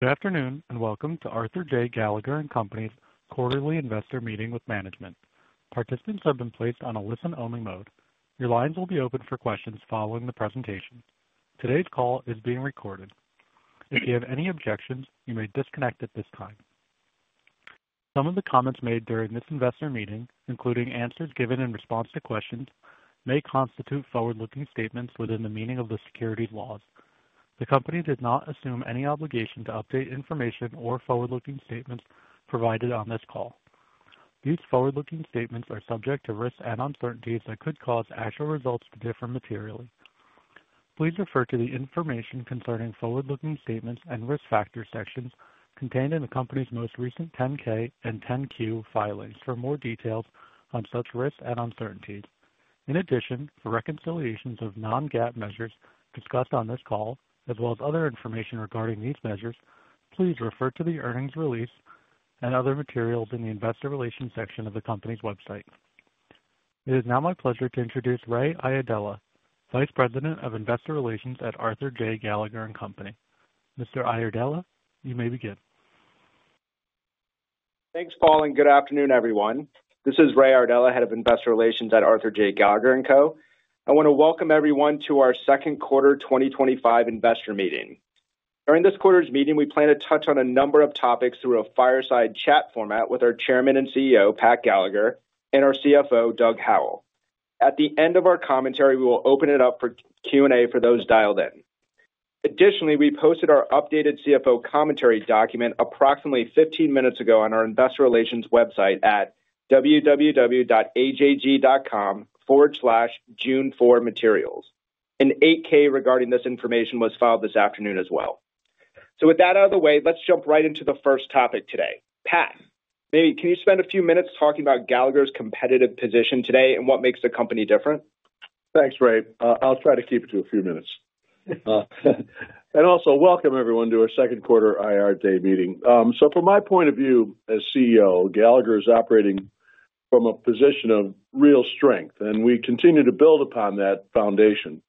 Good afternoon and welcome to Arthur J. Gallagher & Company's quarterly investor meeting with management. Participants have been placed on a listen-only mode. Your lines will be open for questions following the presentation. Today's call is being recorded. If you have any objections, you may disconnect at this time. Some of the comments made during this investor meeting, including answers given in response to questions, may constitute forward-looking statements within the meaning of the securities laws. The company does not assume any obligation to update information or forward-looking statements provided on this call. These forward-looking statements are subject to risks and uncertainties that could cause actual results to differ materially. Please refer to the information concerning forward-looking statements and risk factor sections contained in the company's most recent 10-K and 10-Q filings for more details on such risks and uncertainties. In addition, for reconciliations of non-GAAP measures discussed on this call, as well as other information regarding these measures, please refer to the earnings release and other materials in the investor relations section of the company's website. It is now my pleasure to introduce Ray Iardella, Vice President of Investor Relations at Arthur J. Gallagher & Co. Mr. Iardella, you may begin. Thanks, Paul, and good afternoon, everyone. This is Ray Iardella, Head of Investor Relations at Arthur J. Gallagher & Co. I want to welcome everyone to our second quarter 2025 investor meeting. During this quarter's meeting, we plan to touch on a number of topics through a fireside chat format with our Chairman and CEO, Pat Gallagher, and our CFO, Doug Howell. At the end of our commentary, we will open it up for Q&A for those dialed in. Additionally, we posted our updated CFO commentary document approximately 15 minutes ago on our investor relations website at www.ajg.com/june4materials. An 8-K regarding this information was filed this afternoon as well. With that out of the way, let's jump right into the first topic today. Pat, maybe can you spend a few minutes talking about Gallagher's competitive position today and what makes the company different? Thanks, Ray. I'll try to keep it to a few minutes. Also, welcome everyone to our second quarter IR Day meeting. From my point of view as CEO, Gallagher is operating from a position of real strength, and we continue to build upon that foundation.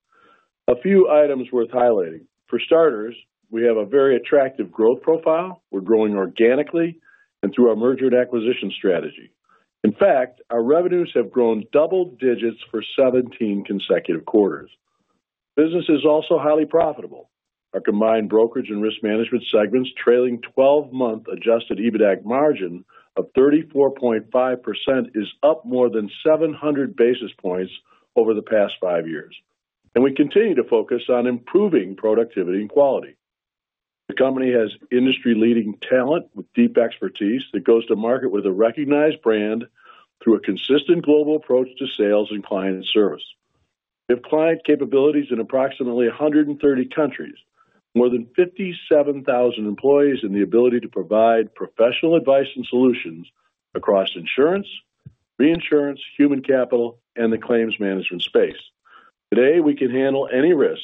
A few items worth highlighting. For starters, we have a very attractive growth profile. We're growing organically and through our merger and acquisition strategy. In fact, our revenues have grown double digits for 17 consecutive quarters. Business is also highly profitable. Our combined brokerage and risk management segments trailing 12-month adjusted EBITDA margin of 34.5% is up more than 700 bps over the past five years. We continue to focus on improving productivity and quality. The company has industry-leading talent with deep expertise that goes to market with a recognized brand through a consistent global approach to sales and client service. We have client capabilities in approximately 130 countries, more than 57,000 employees, and the ability to provide professional advice and solutions across insurance, reinsurance, human capital, and the claims management space. Today, we can handle any risk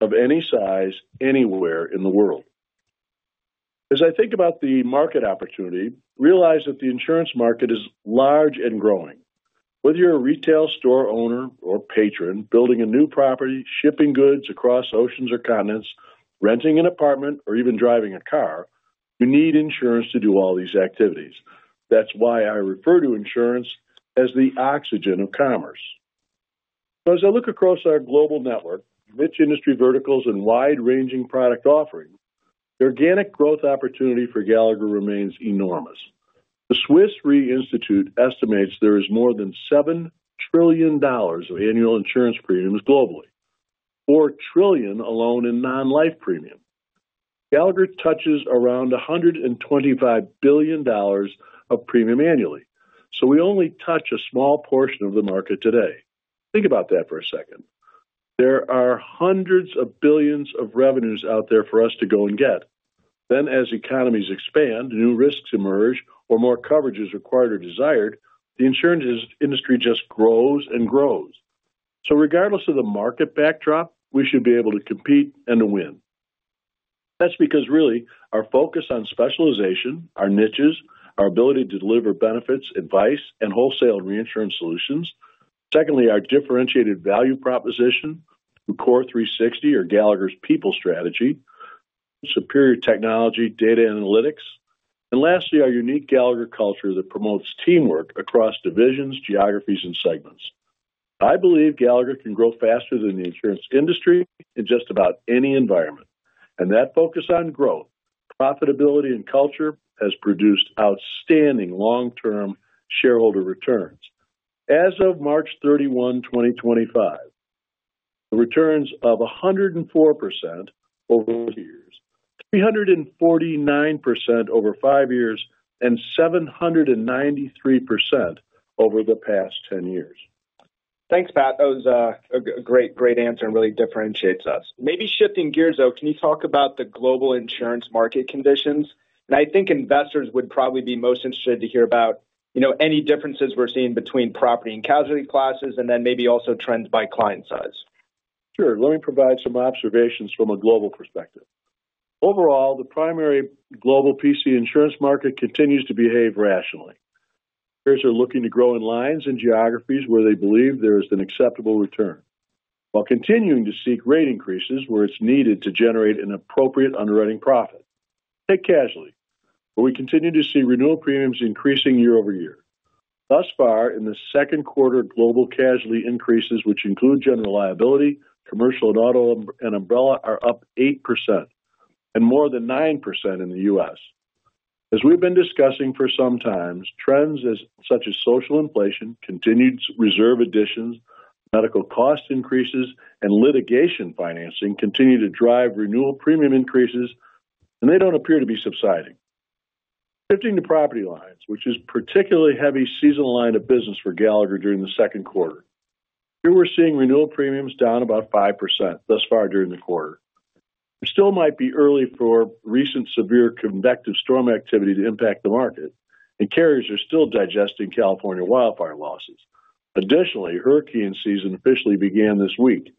of any size anywhere in the world. As I think about the market opportunity, I realize that the insurance market is large and growing. Whether you're a retail store owner or patron building a new property, shipping goods across oceans or continents, renting an apartment, or even driving a car, you need insurance to do all these activities. That's why I refer to insurance as the oxygen of commerce. As I look across our global network, rich industry verticals, and wide-ranging product offering, the organic growth opportunity for Gallagher remains enormous. The Swiss Re Institute estimates there is more than $7 trillion of annual insurance premiums globally, $4 trillion alone in non-life premium. Gallagher touches around $125 billion of premium annually. We only touch a small portion of the market today. Think about that for a second. There are hundreds of billions of revenues out there for us to go and get. As economies expand, new risks emerge, or more coverage is required or desired, the insurance industry just grows and grows. Regardless of the market backdrop, we should be able to compete and to win. That's because, really, our focus on specialization, our niches, our ability to deliver benefits, advice, and wholesale reinsurance solutions. Secondly, our differentiated value proposition through Core 360 or Gallagher's People Strategy, superior technology, data analytics. Lastly, our unique Gallagher culture that promotes teamwork across divisions, geographies, and segments. I believe Gallagher can grow faster than the insurance industry in just about any environment. That focus on growth, profitability, and culture has produced outstanding long-term shareholder returns. As of March 31, 2025, the returns of 104% over three years, 349% over five years, and 793% over the past 10 years. Thanks, Pat. That was a great, great answer and really differentiates us. Maybe shifting gears, though, can you talk about the global insurance market conditions? I think investors would probably be most interested to hear about any differences we're seeing between property and casualty classes and then maybe also trends by client size. Sure. Let me provide some observations from a global perspective. Overall, the primary global P&C insurance market continues to behave rationally. Investors are looking to grow in lines and geographies where they believe there is an acceptable return, while continuing to seek rate increases where it's needed to generate an appropriate underwriting profit. Take casualty, where we continue to see renewal premiums increasing year over year. Thus far, in the second quarter, global casualty increases, which include general liability, commercial, and auto umbrella, are up 8% and more than 9% in the U.S. As we've been discussing for some time, trends such as social inflation, continued reserve additions, medical cost increases, and litigation financing continue to drive renewal premium increases, and they don't appear to be subsiding. Shifting to property lines, which is a particularly heavy seasonal line of business for Gallagher during the second quarter, here we are seeing renewal premiums down about 5% thus far during the quarter. It still might be early for recent severe convective storm activity to impact the market, and carriers are still digesting California wildfire losses. Additionally, hurricane season officially began this week.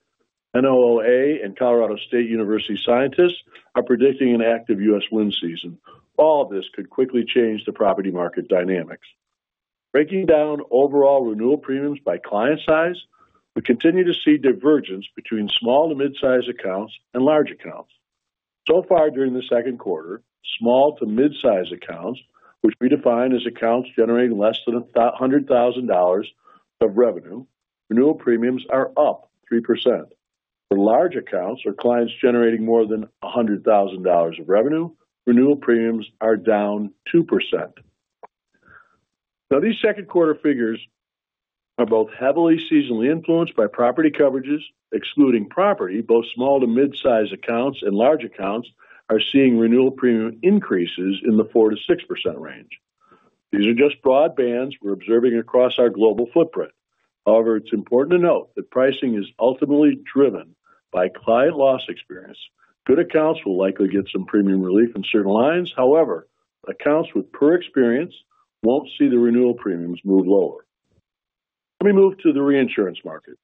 NOAA and Colorado State University scientists are predicting an active U.S. wind season. All of this could quickly change the property market dynamics. Breaking down overall renewal premiums by client size, we continue to see divergence between small to mid-size accounts and large accounts. So far during the second quarter, small to mid-size accounts, which we define as accounts generating less than $100,000 of revenue, renewal premiums are up 3%. For large accounts or clients generating more than $100,000 of revenue, renewal premiums are down 2%. Now, these second quarter figures are both heavily seasonally influenced by property coverages. Excluding property, both small to mid-size accounts and large accounts are seeing renewal premium increases in the 4%-6% range. These are just broad bands we're observing across our global footprint. However, it's important to note that pricing is ultimately driven by client loss experience. Good accounts will likely get some premium relief in certain lines. However, accounts with poor experience won't see the renewal premiums move lower. Let me move to the reinsurance market.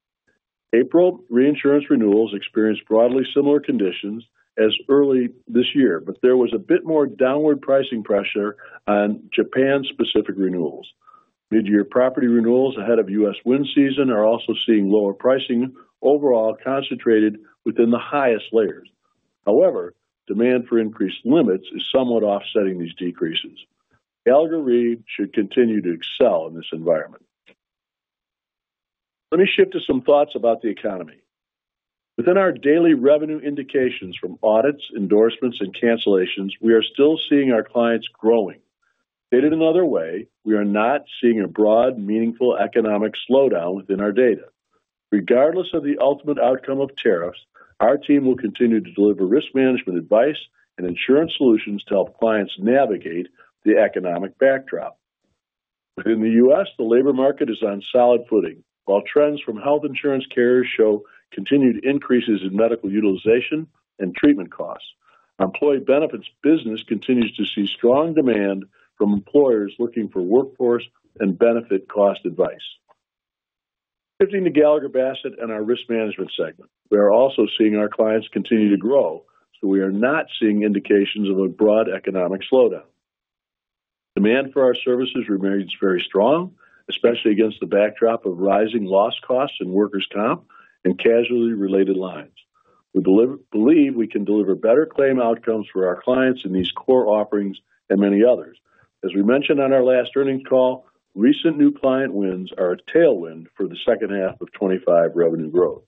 April reinsurance renewals experienced broadly similar conditions as early this year, but there was a bit more downward pricing pressure on Japan-specific renewals. Mid-year property renewals ahead of U.S. wind season are also seeing lower pricing, overall concentrated within the highest layers. However, demand for increased limits is somewhat offsetting these decreases. Gallagher Re should continue to excel in this environment. Let me shift to some thoughts about the economy. Within our daily revenue indications from audits, endorsements, and cancellations, we are still seeing our clients growing. Stated another way, we are not seeing a broad, meaningful economic slowdown within our data. Regardless of the ultimate outcome of tariffs, our team will continue to deliver risk management advice and insurance solutions to help clients navigate the economic backdrop. Within the U.S., the labor market is on solid footing, while trends from health insurance carriers show continued increases in medical utilization and treatment costs. Employee benefits business continues to see strong demand from employers looking for workforce and benefit cost advice. Shifting to Gallagher Bassett and our risk management segment, we are also seeing our clients continue to grow, so we are not seeing indications of a broad economic slowdown. Demand for our services remains very strong, especially against the backdrop of rising loss costs and workers' comp and casualty-related lines. We believe we can deliver better claim outcomes for our clients in these core offerings and many others. As we mentioned on our last earnings call, recent new client wins are a tailwind for the second half of 2025 revenue growth.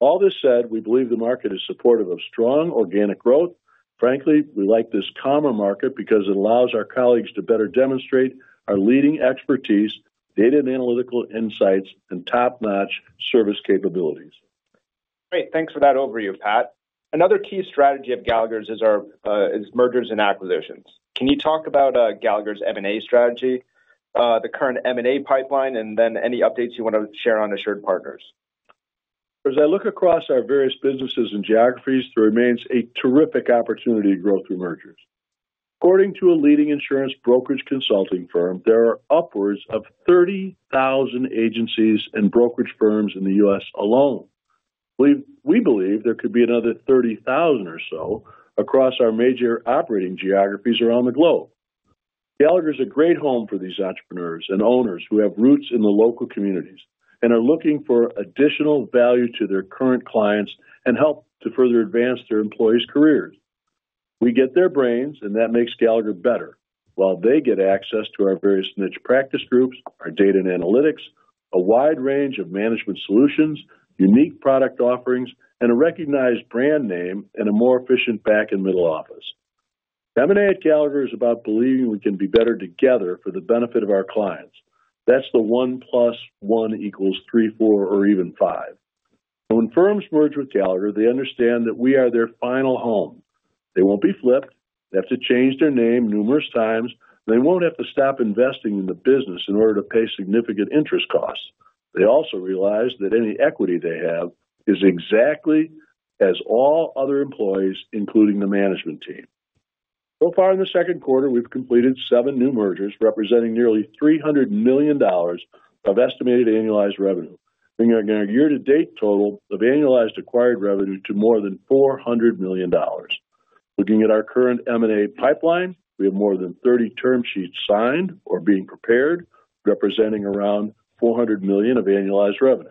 All this said, we believe the market is supportive of strong organic growth. Frankly, we like this calmer market because it allows our colleagues to better demonstrate our leading expertise, data and analytical insights, and top-notch service capabilities. Great. Thanks for that overview, Pat. Another key strategy of Gallagher's is mergers and acquisitions. Can you talk about Gallagher's M&A strategy, the current M&A pipeline, and then any updates you want to share on AssuredPartners? As I look across our various businesses and geographies, there remains a terrific opportunity to grow through mergers. According to a leading insurance brokerage consulting firm, there are upwards of 30,000 agencies and brokerage firms in the U.S. alone. We believe there could be another 30,000 or so across our major operating geographies around the globe. Gallagher's a great home for these entrepreneurs and owners who have roots in the local communities and are looking for additional value to their current clients and help to further advance their employees' careers. We get their brains, and that makes Gallagher better, while they get access to our various niche practice groups, our data and analytics, a wide range of management solutions, unique product offerings, and a recognized brand name and a more efficient back and middle office. M&A at Gallagher is about believing we can be better together for the benefit of our clients. That's the 1 + 1 = 3, 4, or even 5. When firms merge with Gallagher, they understand that we are their final home. They won't be flipped. They have to change their name numerous times, and they won't have to stop investing in the business in order to pay significant interest costs. They also realize that any equity they have is exactly as all other employees, including the management team. So far in the second quarter, we've completed seven new mergers representing nearly $300 million of estimated annualized revenue, bringing our year-to-date total of annualized acquired revenue to more than $400 million. Looking at our current M&A pipeline, we have more than 30 term sheets signed or being prepared, representing around $400 million of annualized revenue.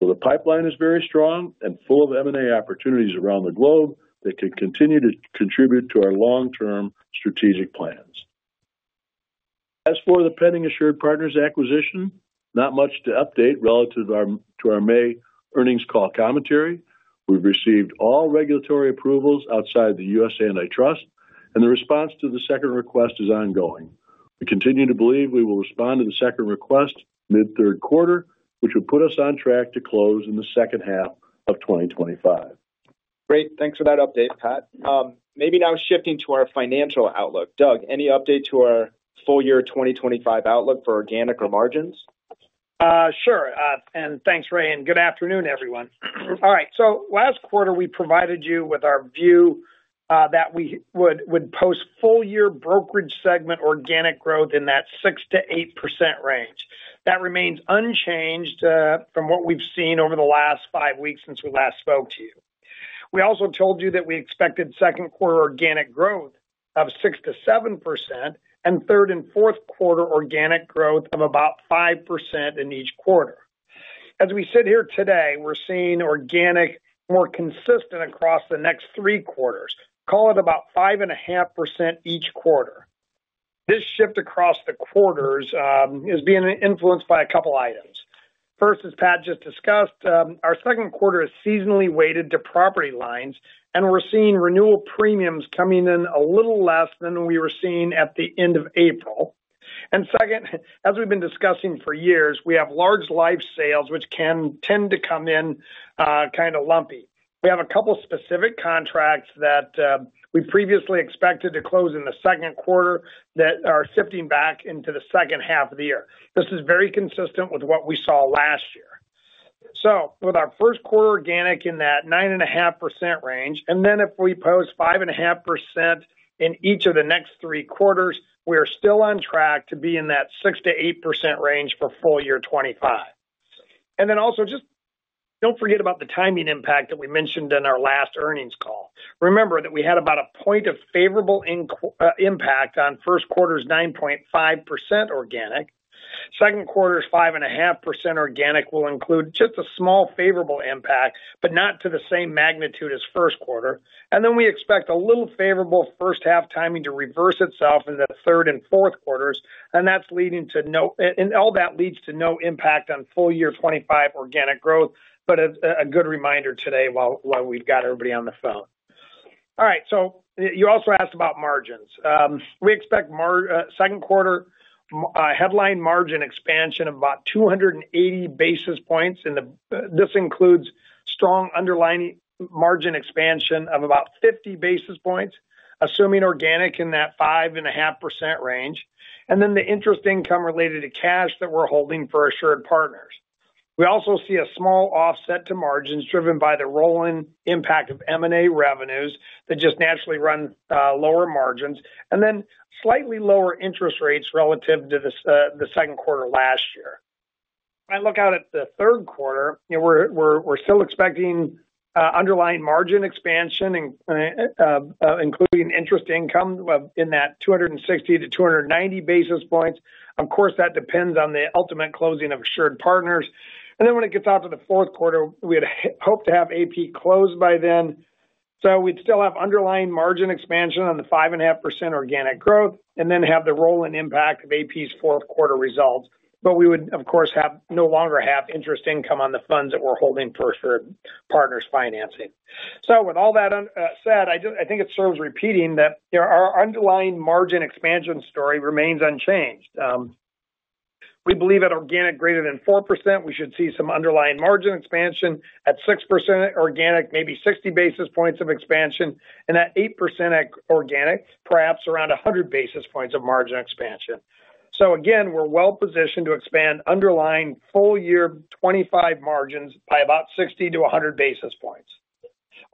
The pipeline is very strong and full of M&A opportunities around the globe that can continue to contribute to our long-term strategic plans. As for the pending AssuredPartners acquisition, not much to update relative to our May earnings call commentary. We've received all regulatory approvals outside the U.S. antitrust, and the response to the second request is ongoing. We continue to believe we will respond to the second request mid-third quarter, which will put us on track to close in the second half of 2025. Great. Thanks for that update, Pat. Maybe now shifting to our financial outlook. Doug, any update to our full year 2025 outlook for organic or margins? Sure. Thanks, Ray. Good afternoon, everyone. Last quarter, we provided you with our view that we would post full year brokerage segment organic growth in that 6%-8% range. That remains unchanged from what we've seen over the last five weeks since we last spoke to you. We also told you that we expected second quarter organic growth of 6%-7% and third and fourth quarter organic growth of about 5% in each quarter. As we sit here today, we're seeing organic more consistent across the next three quarters. Call it about 5.5% each quarter. This shift across the quarters is being influenced by a couple of items. First, as Pat just discussed, our second quarter is seasonally weighted to property lines, and we're seeing renewal premiums coming in a little less than we were seeing at the end of April. As we have been discussing for years, we have large life sales, which can tend to come in kind of lumpy. We have a couple of specific contracts that we previously expected to close in the second quarter that are shifting back into the second half of the year. This is very consistent with what we saw last year. With our first quarter organic in that 9.5% range, and then if we post 5.5% in each of the next three quarters, we are still on track to be in that 6%-8% range for full year 2025. Also, just do not forget about the timing impact that we mentioned in our last earnings call. Remember that we had about a point of favorable impact on first quarter's 9.5% organic. Second quarter's 5.5% organic will include just a small favorable impact, but not to the same magnitude as first quarter. We expect a little favorable first half timing to reverse itself in the third and fourth quarters. All that leads to no impact on full year 2025 organic growth, but a good reminder today while we've got everybody on the phone. All right. You also asked about margins. We expect second quarter headline margin expansion of about 280 bps. This includes strong underlying margin expansion of about 50 bps, assuming organic in that 5.5% range. The interest income related to cash that we're holding for AssuredPartners. We also see a small offset to margins driven by the rolling impact of M&A revenues that just naturally run lower margins, and then slightly lower interest rates relative to the second quarter last year. I look out at the third quarter, we're still expecting underlying margin expansion, including interest income in that 260 bps-290 bps. Of course, that depends on the ultimate closing of AssuredPartners. When it gets out to the fourth quarter, we had hoped to have AP close by then. We would still have underlying margin expansion on the 5.5% organic growth and then have the rolling impact of AP's fourth quarter results. We would, of course, no longer have interest income on the funds that we're holding for AssuredPartners financing. With all that said, I think it serves repeating that our underlying margin expansion story remains unchanged. We believe at organic greater than 4%, we should see some underlying margin expansion. At 6% organic, maybe 60 bps of expansion. At 8% organic, perhaps around 100 bps of margin expansion. Again, we're well positioned to expand underlying full year 2025 margins by about 60 bps-100 bps.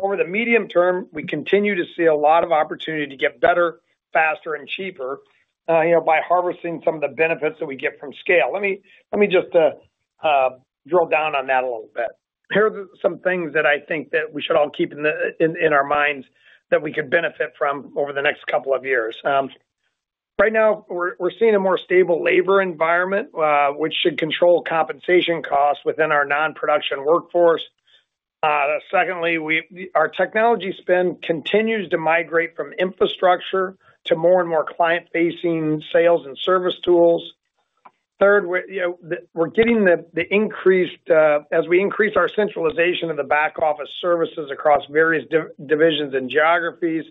Over the medium term, we continue to see a lot of opportunity to get better, faster, and cheaper by harvesting some of the benefits that we get from scale. Let me just drill down on that a little bit. Here are some things that I think that we should all keep in our minds that we could benefit from over the next couple of years. Right now, we're seeing a more stable labor environment, which should control compensation costs within our non-production workforce. Secondly, our technology spend continues to migrate from infrastructure to more and more client-facing sales and service tools. Third, we're getting the increased—as we increase our centralization of the back office services across various divisions and geographies.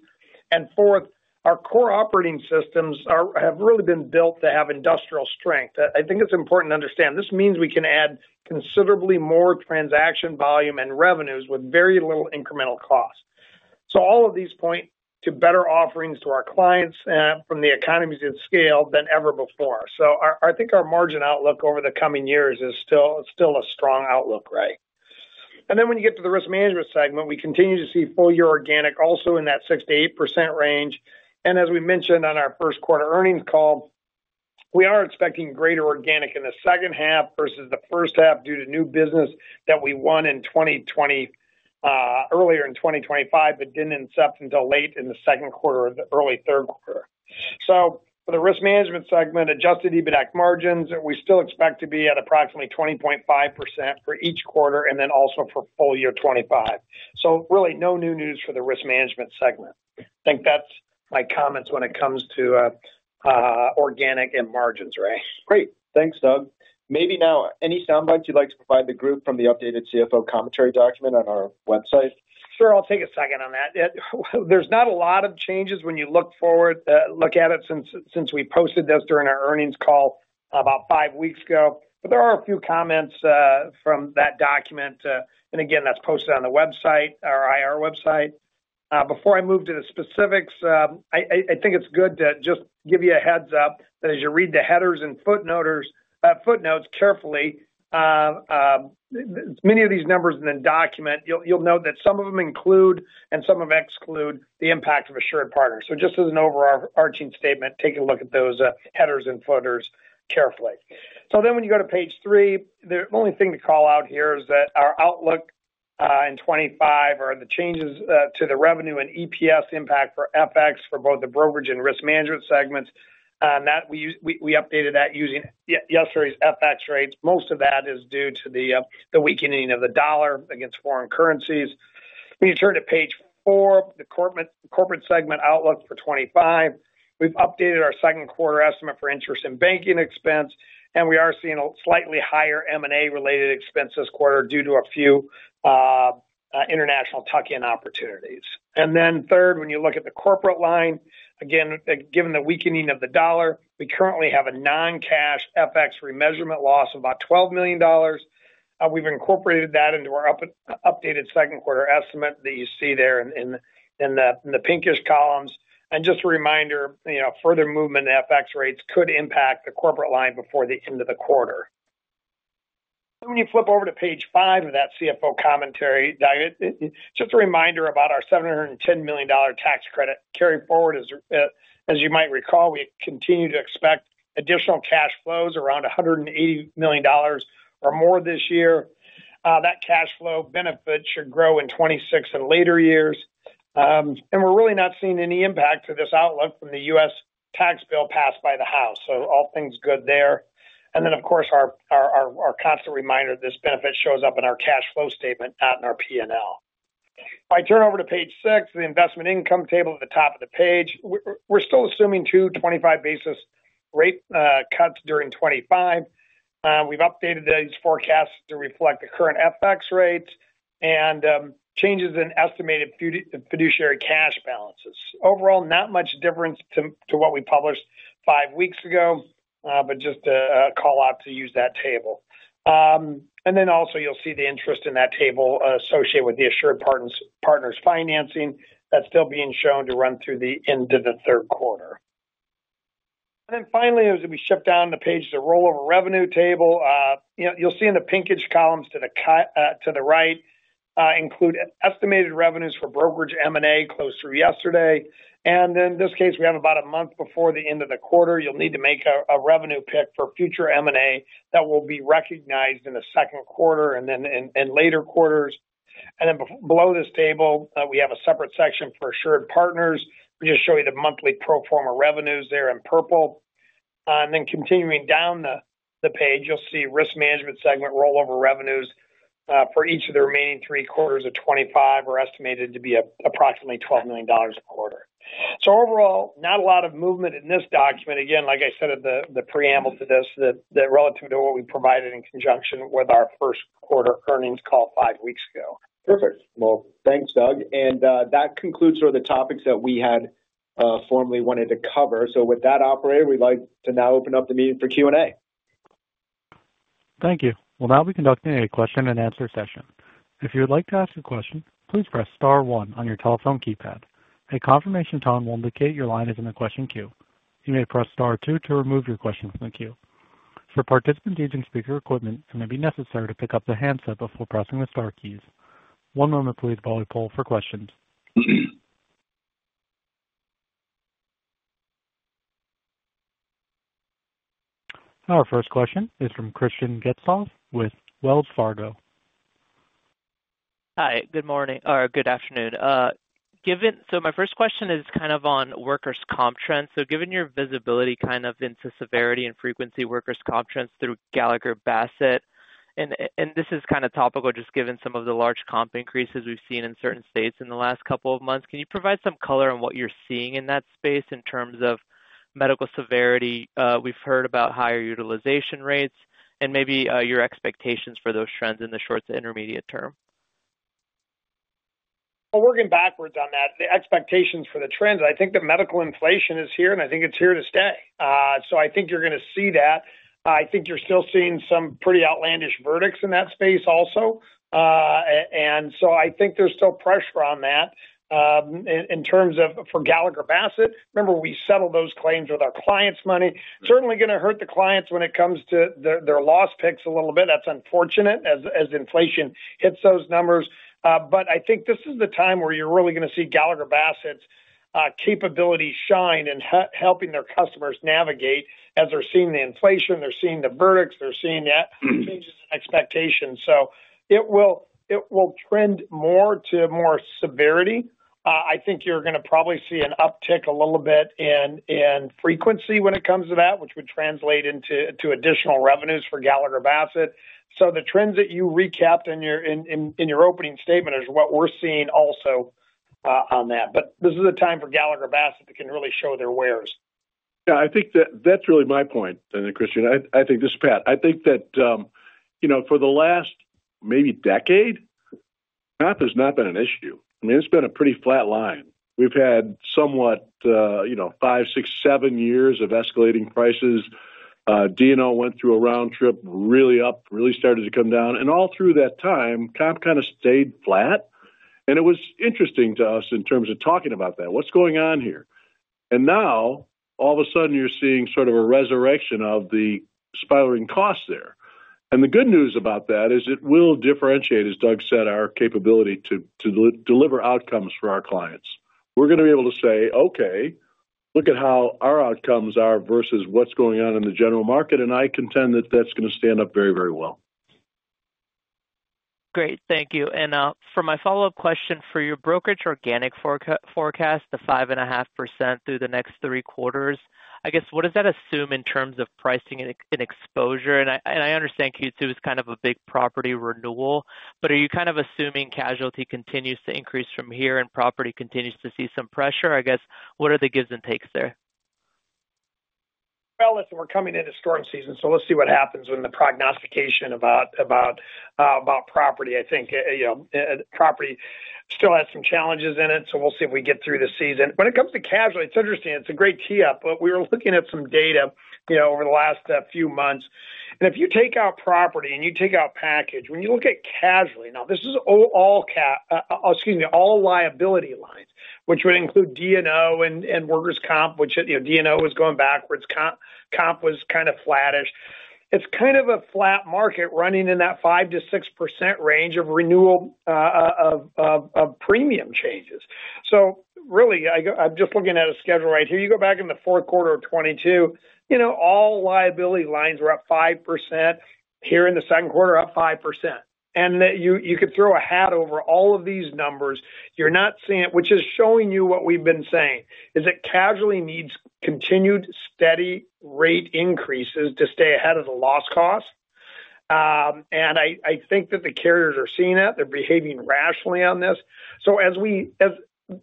Fourth, our core operating systems have really been built to have industrial strength. I think it's important to understand. This means we can add considerably more transaction volume and revenues with very little incremental cost. All of these point to better offerings to our clients from the economies of scale than ever before. I think our margin outlook over the coming years is still a strong outlook, Ray. When you get to the risk management segment, we continue to see full year organic also in that 6%-8% range. As we mentioned on our first quarter earnings call, we are expecting greater organic in the second half versus the first half due to new business that we won earlier in 2025, but did not incept until late in the second quarter or the early third quarter. For the risk management segment, adjusted EBITDA margins, we still expect to be at approximately 20.5% for each quarter and then also for full year 2025. Really no new news for the risk management segment. I think that is my comments when it comes to organic and margins, Ray. Great. Thanks, Doug. Maybe now, any sound bites you'd like to provide the group from the updated CFO commentary document on our website? Sure. I'll take a second on that. There's not a lot of changes when you look forward, look at it since we posted this during our earnings call about five weeks ago. There are a few comments from that document. Again, that's posted on the website, our IR website. Before I move to the specifics, I think it's good to just give you a heads-up that as you read the headers and footnotes carefully, many of these numbers in the document, you'll note that some of them include and some of them exclude the impact of AssuredPartners. Just as an overarching statement, take a look at those headers and footnotes carefully. When you go to page three, the only thing to call out here is that our outlook in 2025 or the changes to the revenue and EPS impact for FX for both the brokerage and risk management segments. We updated that using yesterday's FX rates. Most of that is due to the weakening of the dollar against foreign currencies. When you turn to page four, the corporate segment outlook for 2025, we've updated our second quarter estimate for interest and banking expense, and we are seeing a slightly higher M&A-related expense this quarter due to a few international tuck-in opportunities. Third, when you look at the corporate line, again, given the weakening of the dollar, we currently have a non-cash FX remeasurement loss of about $12 million. We've incorporated that into our updated second quarter estimate that you see there in the pinkish columns. Just a reminder, further movement in FX rates could impact the corporate line before the end of the quarter. When you flip over to page five of that CFO commentary, just a reminder about our $710 million tax credit carried forward. As you might recall, we continue to expect additional cash flows around $180 million or more this year. That cash flow benefit should grow in 2026 and later years. We are really not seeing any impact to this outlook from the U.S. tax bill passed by the House. All things good there. Of course, our constant reminder, this benefit shows up in our cash flow statement, not in our P&L. If I turn over to page six, the investment income table at the top of the page, we are still assuming two 25 bp rate cuts during 2025. We've updated these forecasts to reflect the current FX rates and changes in estimated fiduciary cash balances. Overall, not much difference to what we published five weeks ago, but just a call out to use that table. You will also see the interest in that table associated with the AssuredPartners financing that's still being shown to run through the end of the third quarter. Finally, as we shift down to the page, the rollover revenue table, you'll see in the pinkish columns to the right include estimated revenues for brokerage M&A closed through yesterday. In this case, we have about a month before the end of the quarter, you'll need to make a revenue pick for future M&A that will be recognized in the second quarter and then in later quarters. Below this table, we have a separate section for AssuredPartners. We just show you the monthly pro forma revenues there in purple. Then continuing down the page, you'll see risk management segment rollover revenues for each of the remaining three quarters of 2025 are estimated to be approximately $12 million a quarter. Overall, not a lot of movement in this document. Again, like I said at the preamble to this, relative to what we provided in conjunction with our first quarter earnings call five weeks ago. Perfect. Thanks, Doug. That concludes the topics that we had formally wanted to cover. With that operated, we'd like to now open up the meeting for Q&A. Thank you. We'll now be conducting a question-and-answer session. If you would like to ask a question, please press star one on your telephone keypad. A confirmation tone will indicate your line is in the question queue. You may press star two to remove your question from the queue. For participants using speaker equipment, it may be necessary to pick up the handset before pressing the star keys. One moment, please, while we pull for questions. Our first question is from Christian Getzoff with Wells Fargo. Hi. Good morning or good afternoon. My first question is kind of on workers' comp trends. Given your visibility kind of into severity and frequency workers' comp trends through Gallagher Bassett, and this is kind of topical just given some of the large comp increases we've seen in certain states in the last couple of months, can you provide some color on what you're seeing in that space in terms of medical severity? We've heard about higher utilization rates and maybe your expectations for those trends in the short to intermediate term. Working backwards on that, the expectations for the trends, I think that medical inflation is here, and I think it's here to stay. I think you're going to see that. I think you're still seeing some pretty outlandish verdicts in that space also. I think there's still pressure on that in terms of for Gallagher Bassett. Remember, we settled those claims with our clients' money. Certainly going to hurt the clients when it comes to their loss picks a little bit. That's unfortunate as inflation hits those numbers. I think this is the time where you're really going to see Gallagher Bassett's capability shine in helping their customers navigate as they're seeing the inflation, they're seeing the verdicts, they're seeing changes in expectations. It will trend more to more severity. I think you're going to probably see an uptick a little bit in frequency when it comes to that, which would translate into additional revenues for Gallagher Bassett. The trends that you recapped in your opening statement is what we're seeing also on that. This is a time for Gallagher Bassett that can really show their wares. Yeah. I think that's really my point, and Christian, I think this is Pat. I think that for the last maybe decade, that has not been an issue. I mean, it's been a pretty flat line. We've had somewhat five, six, seven years of escalating prices. D&O went through a round trip, really up, really started to come down. All through that time, comp kind of stayed flat. It was interesting to us in terms of talking about that. What's going on here? Now, all of a sudden, you're seeing sort of a resurrection of the spiraling costs there. The good news about that is it will differentiate, as Doug said, our capability to deliver outcomes for our clients. We're going to be able to say, "Okay, look at how our outcomes are versus what's going on in the general market." I contend that that's going to stand up very, very well. Great. Thank you. For my follow-up question, for your brokerage organic forecast, the 5.5% through the next three quarters, I guess, what does that assume in terms of pricing and exposure? I understand Q2 is kind of a big property renewal, but are you kind of assuming casualty continues to increase from here and property continues to see some pressure? I guess, what are the gives and takes there? Listen, we're coming into storm season, so let's see what happens with the prognostication about property. I think property still has some challenges in it, so we'll see if we get through the season. When it comes to casualty, it's interesting. It's a great tee-up, but we were looking at some data over the last few months. If you take out property and you take out package, when you look at casualty, now this is all, excuse me, all liability lines, which would include D&O and workers' comp, which D&O was going backwards, comp was kind of flattish. It's kind of a flat market running in that 5%-6% range of renewal of premium changes. Really, I'm just looking at a schedule right here. You go back in the fourth quarter of 2022, all liability lines were up 5%. Here in the second quarter, up 5%. You could throw a hat over all of these numbers. You're not seeing it, which is showing you what we've been saying, is that casualty needs continued steady rate increases to stay ahead of the loss costs. I think that the carriers are seeing that. They're behaving rationally on this.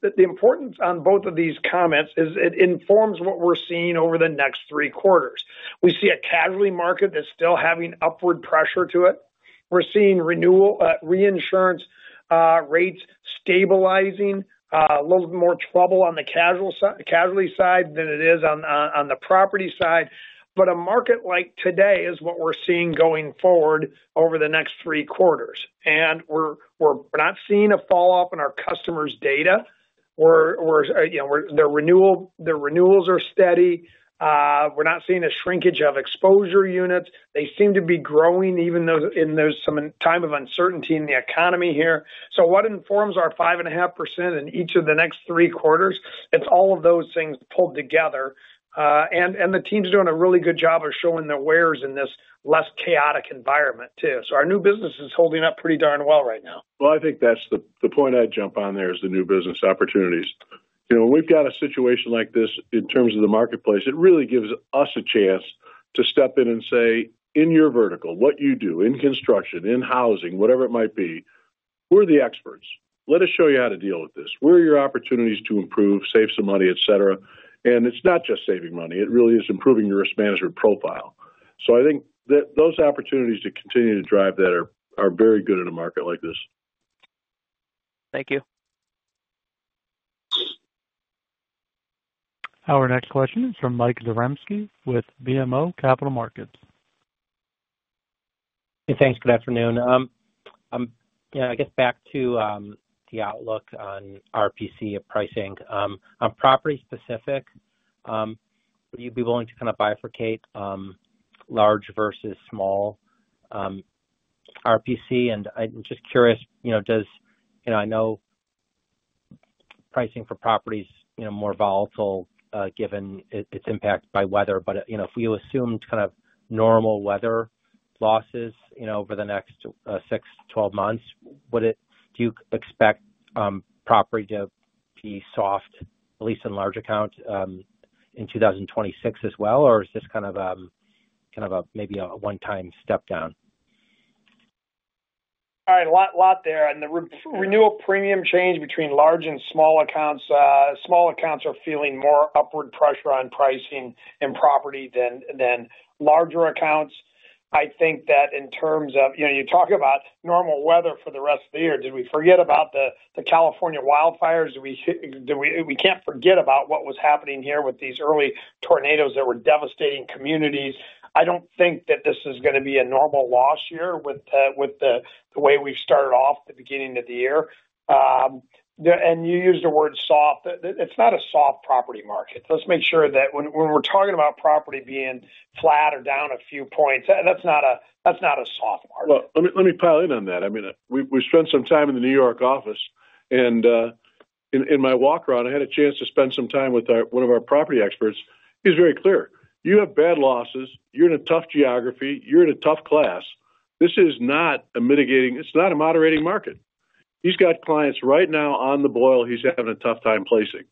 The importance on both of these comments is it informs what we're seeing over the next three quarters. We see a casualty market that's still having upward pressure to it. We're seeing reinsurance rates stabilizing, a little more trouble on the casualty side than it is on the property side. A market like today is what we're seeing going forward over the next three quarters. We're not seeing a falloff in our customers' data. Their renewals are steady. We're not seeing a shrinkage of exposure units. They seem to be growing in some time of uncertainty in the economy here. What informs our 5.5% in each of the next three quarters? It's all of those things pulled together. The team's doing a really good job of showing their wares in this less chaotic environment too. Our new business is holding up pretty darn well right now. I think that's the point I'd jump on there is the new business opportunities. When we've got a situation like this in terms of the marketplace, it really gives us a chance to step in and say, "In your vertical, what you do in construction, in housing, whatever it might be, we're the experts. Let us show you how to deal with this. Where are your opportunities to improve, save some money, etc.?" It's not just saving money. It really is improving your risk management profile. I think that those opportunities to continue to drive that are very good in a market like this. Thank you. Our next question is from Mike Zieremski with BMO Capital Markets. Hey, thanks. Good afternoon. I guess back to the outlook on RPC, pricing. On property specific, would you be willing to kind of bifurcate large versus small RPC? And I'm just curious, I know pricing for property is more volatile given its impact by weather, but if we assume kind of normal weather losses over the next six to 12 months, do you expect property to be soft, at least in large account in 2026 as well, or is this kind of maybe a one-time step down? All right. A lot there. The renewal premium change between large and small accounts, small accounts are feeling more upward pressure on pricing in property than larger accounts. I think that in terms of you talk about normal weather for the rest of the year. Did we forget about the California wildfires? We can't forget about what was happening here with these early tornadoes that were devastating communities. I don't think that this is going to be a normal loss year with the way we've started off at the beginning of the year. You used the word soft. It's not a soft property market. Let's make sure that when we're talking about property being flat or down a few points, that's not a soft market. Let me pile in on that. I mean, we spent some time in the New York office. In my walk around, I had a chance to spend some time with one of our property experts. He's very clear. You have bad losses. You're in a tough geography. You're in a tough class. This is not a mitigating, it's not a moderating market. He's got clients right now on the boil. He's having a tough time placing.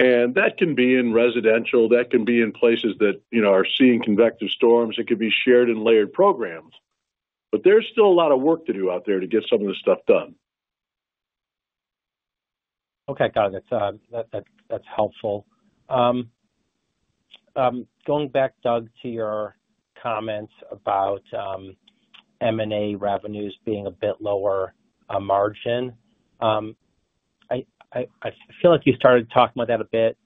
That can be in residential. That can be in places that are seeing convective storms. It could be shared and layered programs. There is still a lot of work to do out there to get some of this stuff done. Okay. Got it. That's helpful. Going back, Doug, to your comments about M&A revenues being a bit lower margin, I feel like you started talking about that a bit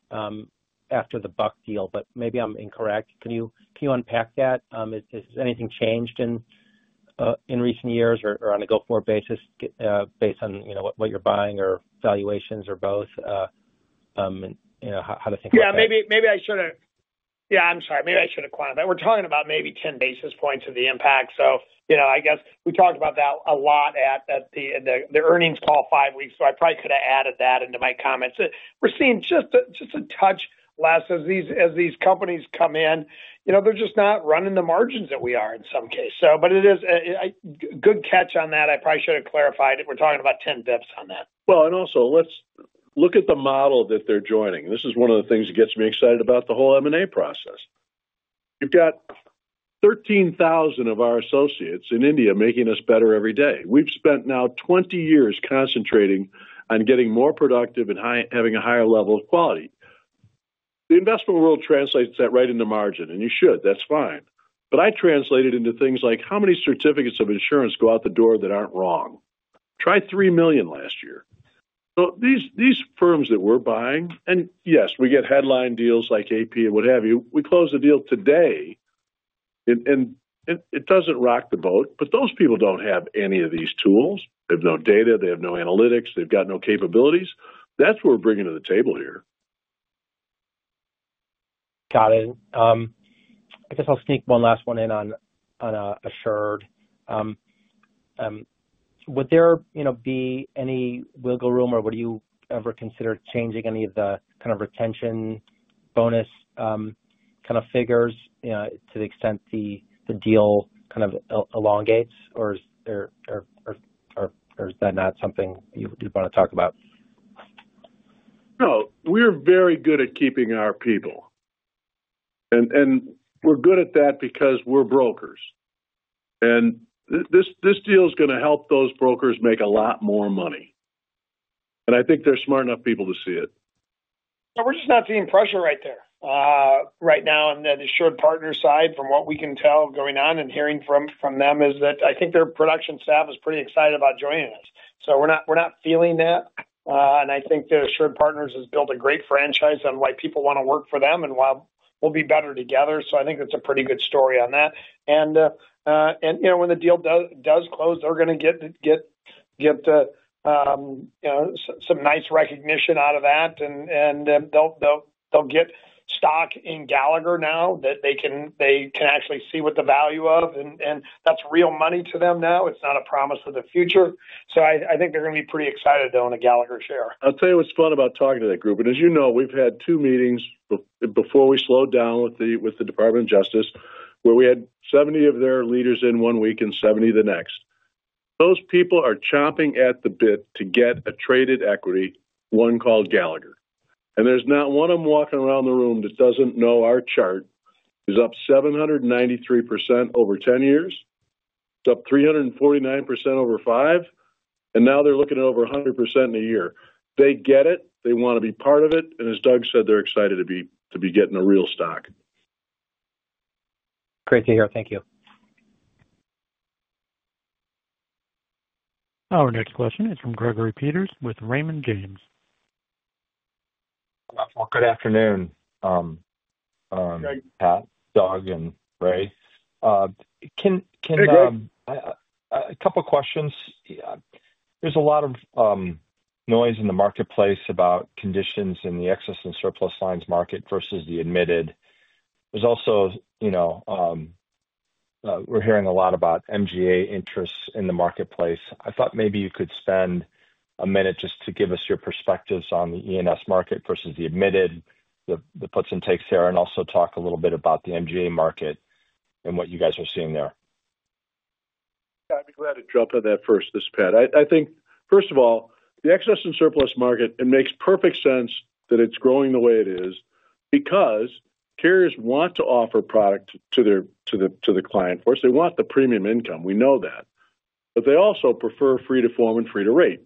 after the Buck deal, but maybe I'm incorrect. Can you unpack that? Has anything changed in recent years or on a go-forward basis based on what you're buying or valuations or both? How to think about that? Yeah. Maybe I should have—yeah, I'm sorry. Maybe I should have quantified. We're talking about maybe 10 basis points of the impact. I guess we talked about that a lot at the earnings call five weeks ago, so I probably could have added that into my comments. We're seeing just a touch less as these companies come in. They're just not running the margins that we are in some cases. It is a good catch on that. I probably should have clarified it. We're talking about 10 bps on that. Let's look at the model that they're joining. This is one of the things that gets me excited about the whole M&A process. You've got 13,000 of our associates in India making us better every day. We've spent now 20 years concentrating on getting more productive and having a higher level of quality. The investment world translates that right into margin, and you should. That's fine. I translate it into things like, "How many certificates of insurance go out the door that aren't wrong?" Try three million last year. These firms that we're buying—and yes, we get headline deals like AP and what have you—we close the deal today, and it doesn't rock the boat. Those people don't have any of these tools. They have no data. They have no analytics. They've got no capabilities. That's what we're bringing to the table here. Got it. I guess I'll sneak one last one in on Assured. Would there be any wiggle room, or would you ever consider changing any of the kind of retention bonus kind of figures to the extent the deal kind of elongates, or is that not something you'd want to talk about? No. We're very good at keeping our people. We're good at that because we're brokers. This deal is going to help those brokers make a lot more money. I think they're smart enough people to see it. Yeah. We're just not seeing pressure right there. Right now, on the AssuredPartners side, from what we can tell going on and hearing from them, is that I think their production staff is pretty excited about joining us. We're not feeling that. I think that AssuredPartners has built a great franchise on why people want to work for them and why we'll be better together. I think that's a pretty good story on that. When the deal does close, they're going to get some nice recognition out of that. They'll get stock in Gallagher now that they can actually see what the value of. That's real money to them now. It's not a promise for the future. I think they're going to be pretty excited to own a Gallagher share. I'll tell you what's fun about talking to that group. As you know, we've had two meetings before we slowed down with the Department of Justice, where we had 70 of their leaders in one week and 70 the next. Those people are chomping at the bit to get a traded equity, one called Gallagher. There's not one of them walking around the room that doesn't know our chart is up 793% over 10 years, it's up 349% over five, and now they're looking at over 100% in a year. They get it. They want to be part of it. As Doug said, they're excited to be getting a real stock. Great to hear. Thank you. Our next question is from Gregory Peters with Raymond James. Good afternoon, Pat, Doug, and Ray. A couple of questions. There's a lot of noise in the marketplace about conditions in the excess and surplus lines market versus the admitted. There's also we're hearing a lot about MGA interests in the marketplace. I thought maybe you could spend a minute just to give us your perspectives on the E&S market versus the admitted, the puts and takes there, and also talk a little bit about the MGA market and what you guys are seeing there. Yeah. I'd be glad to jump on that first, this Pat. I think, first of all, the excess and surplus market, it makes perfect sense that it's growing the way it is because carriers want to offer product to the client first. They want the premium income. We know that. They also prefer free to form and free to rate.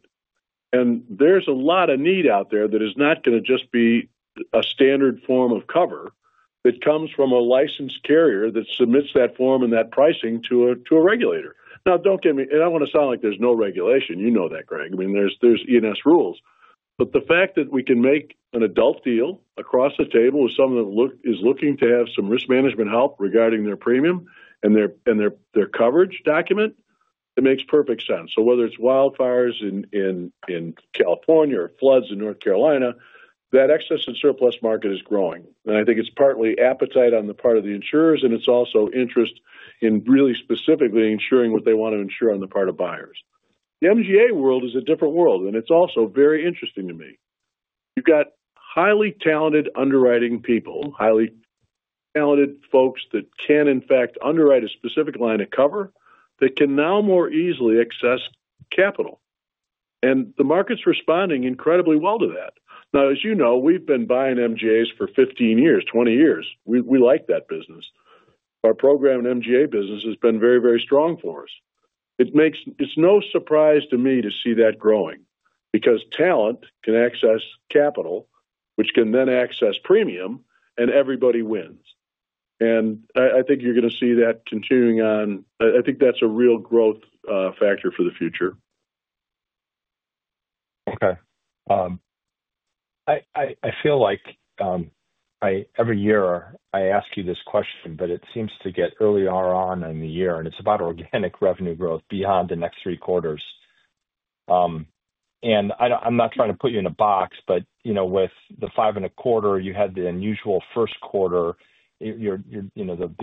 There's a lot of need out there that is not going to just be a standard form of cover that comes from a licensed carrier that submits that form and that pricing to a regulator. Now, don't get me—and I don't want to sound like there's no regulation. You know that, Greg. I mean, there's E&S rules. The fact that we can make an adult deal across the table with someone that is looking to have some risk management help regarding their premium and their coverage document, it makes perfect sense. Whether it's wildfires in California or floods in North Carolina, that excess and surplus market is growing. I think it's partly appetite on the part of the insurers, and it's also interest in really specifically insuring what they want to insure on the part of buyers. The MGA world is a different world, and it's also very interesting to me. You've got highly talented underwriting people, highly talented folks that can, in fact, underwrite a specific line of cover that can now more easily access capital. The market's responding incredibly well to that. Now, as you know, we've been buying MGAs for 15 years, 20 years. We like that business. Our program in MGA business has been very, very strong for us. It's no surprise to me to see that growing because talent can access capital, which can then access premium, and everybody wins. I think you're going to see that continuing on. I think that's a real growth factor for the future. Okay. I feel like every year I ask you this question, but it seems to get earlier on in the year, and it's about organic revenue growth beyond the next three quarters. I'm not trying to put you in a box, but with the five and a quarter, you had the unusual first quarter, the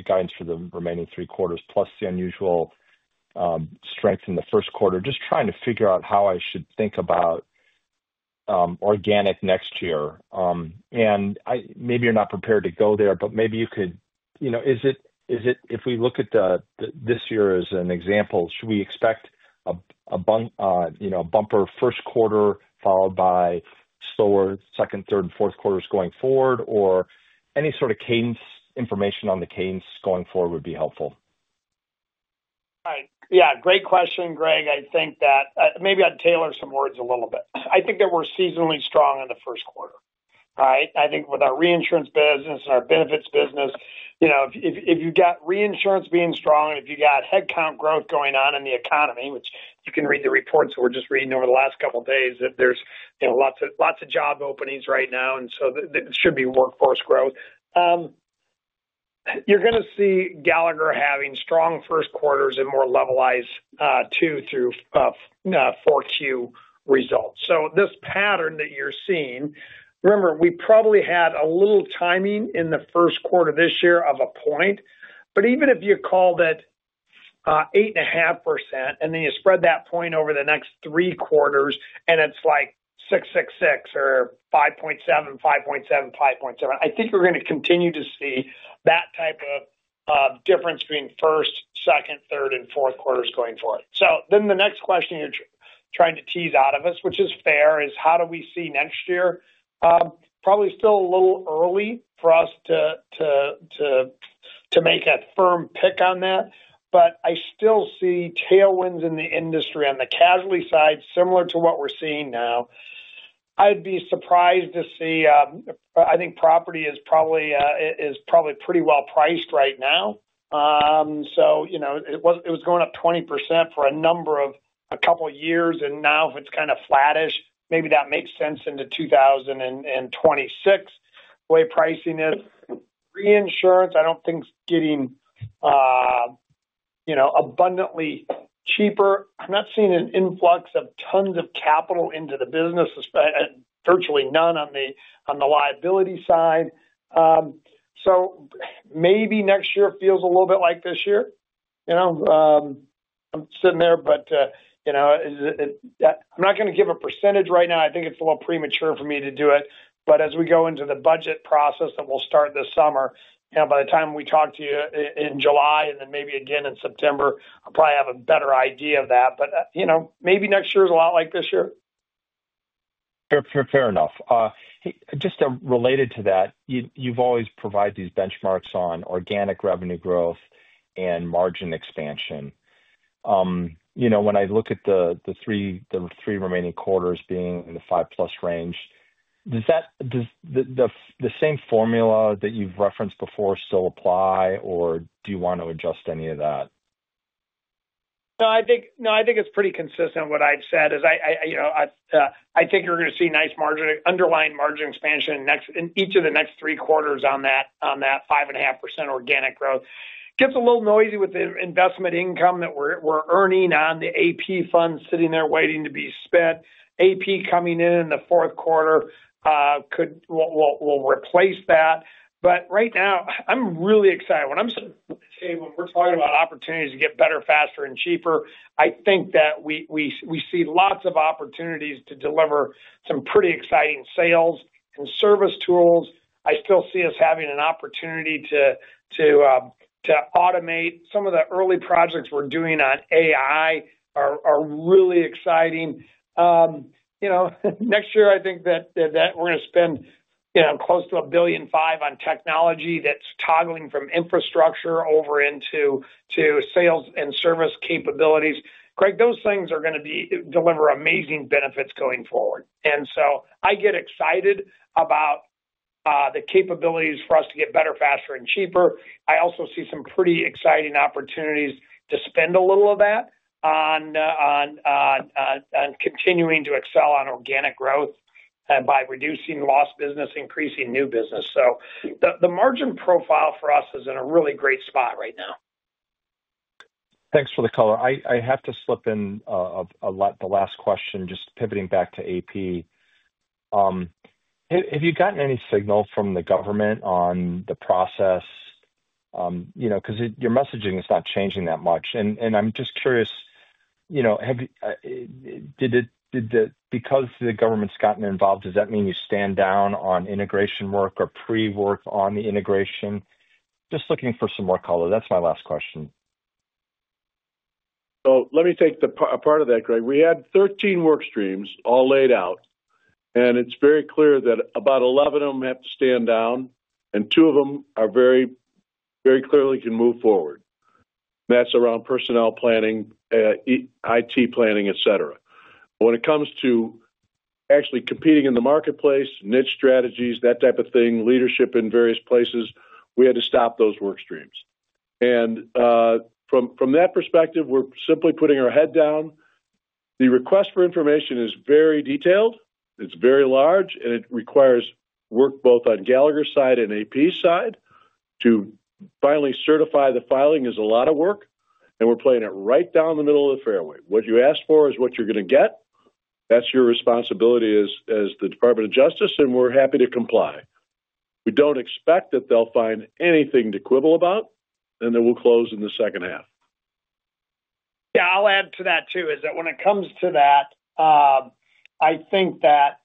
guidance for the remaining three quarters, plus the unusual strength in the first quarter. Just trying to figure out how I should think about organic next year. Maybe you're not prepared to go there, but maybe you could—if we look at this year as an example, should we expect a bumper first quarter followed by slower second, third, and fourth quarters going forward? Any sort of information on the cadence going forward would be helpful. Right. Yeah. Great question, Greg. I think that maybe I'd tailor some words a little bit. I think that we're seasonally strong in the first quarter, right? I think with our reinsurance business and our benefits business, if you've got reinsurance being strong and if you've got headcount growth going on in the economy, which you can read the reports that we're just reading over the last couple of days, that there's lots of job openings right now. And so it should be workforce growth. You're going to see Gallagher having strong first quarters and more levelized two through 4Q results. This pattern that you're seeing, remember, we probably had a little timing in the first quarter this year of a point. Even if you call that 8.5% and then you spread that point over the next three quarters, and it is like 6.66 or 5.7, 5.7, 5.7, I think we are going to continue to see that type of difference between first, second, third, and fourth quarters going forward. The next question you are trying to tease out of us, which is fair, is how do we see next year? Probably still a little early for us to make a firm pick on that. I still see tailwinds in the industry on the casualty side, similar to what we are seeing now. I would be surprised to see—I think property is probably pretty well priced right now. It was going up 20% for a number of a couple of years. Now if it is kind of flattish, maybe that makes sense into 2026, the way pricing is. Reinsurance, I don't think's getting abundantly cheaper. I'm not seeing an influx of tons of capital into the business, virtually none on the liability side. Maybe next year feels a little bit like this year. I'm sitting there, but I'm not going to give a percentage right now. I think it's a little premature for me to do it. As we go into the budget process that we'll start this summer, by the time we talk to you in July and then maybe again in September, I'll probably have a better idea of that. Maybe next year is a lot like this year. Fair enough. Just related to that, you've always provided these benchmarks on organic revenue growth and margin expansion. When I look at the three remaining quarters being in the 5%+ range, does the same formula that you've referenced before still apply, or do you want to adjust any of that? No. I think it's pretty consistent what I've said is I think you're going to see nice underlying margin expansion in each of the next three quarters on that 5.5% organic growth. It gets a little noisy with the investment income that we're earning on the AP funds sitting there waiting to be spent. AP coming in in the fourth quarter will replace that. Right now, I'm really excited. When I'm saying when we're talking about opportunities to get better, faster, and cheaper, I think that we see lots of opportunities to deliver some pretty exciting sales and service tools. I still see us having an opportunity to automate. Some of the early projects we're doing on AI are really exciting. Next year, I think that we're going to spend close to $1.5 billion on technology that's toggling from infrastructure over into sales and service capabilities. Greg, those things are going to deliver amazing benefits going forward. I get excited about the capabilities for us to get better, faster, and cheaper. I also see some pretty exciting opportunities to spend a little of that on continuing to excel on organic growth by reducing lost business, increasing new business. The margin profile for us is in a really great spot right now. Thanks for the color. I have to slip in the last question, just pivoting back to AP. Have you gotten any signal from the government on the process? Because your messaging is not changing that much. I am just curious, because the government's gotten involved, does that mean you stand down on integration work or pre-work on the integration? Just looking for some more color. That is my last question. Let me take a part of that, Greg. We had 13 work streams all laid out. It is very clear that about 11 of them have to stand down, and two of them very clearly can move forward. That is around personnel planning, IT planning, etc. When it comes to actually competing in the marketplace, niche strategies, that type of thing, leadership in various places, we had to stop those work streams. From that perspective, we are simply putting our head down. The request for information is very detailed. It is very large, and it requires work both on Gallagher's side and AP's side to finally certify. The filing is a lot of work, and we are playing it right down the middle of the fairway. What you ask for is what you are going to get. That is your responsibility as the Department of Justice, and we are happy to comply. We don't expect that they'll find anything to quibble about, and then we'll close in the second half. Yeah. I'll add to that too, is that when it comes to that, I think that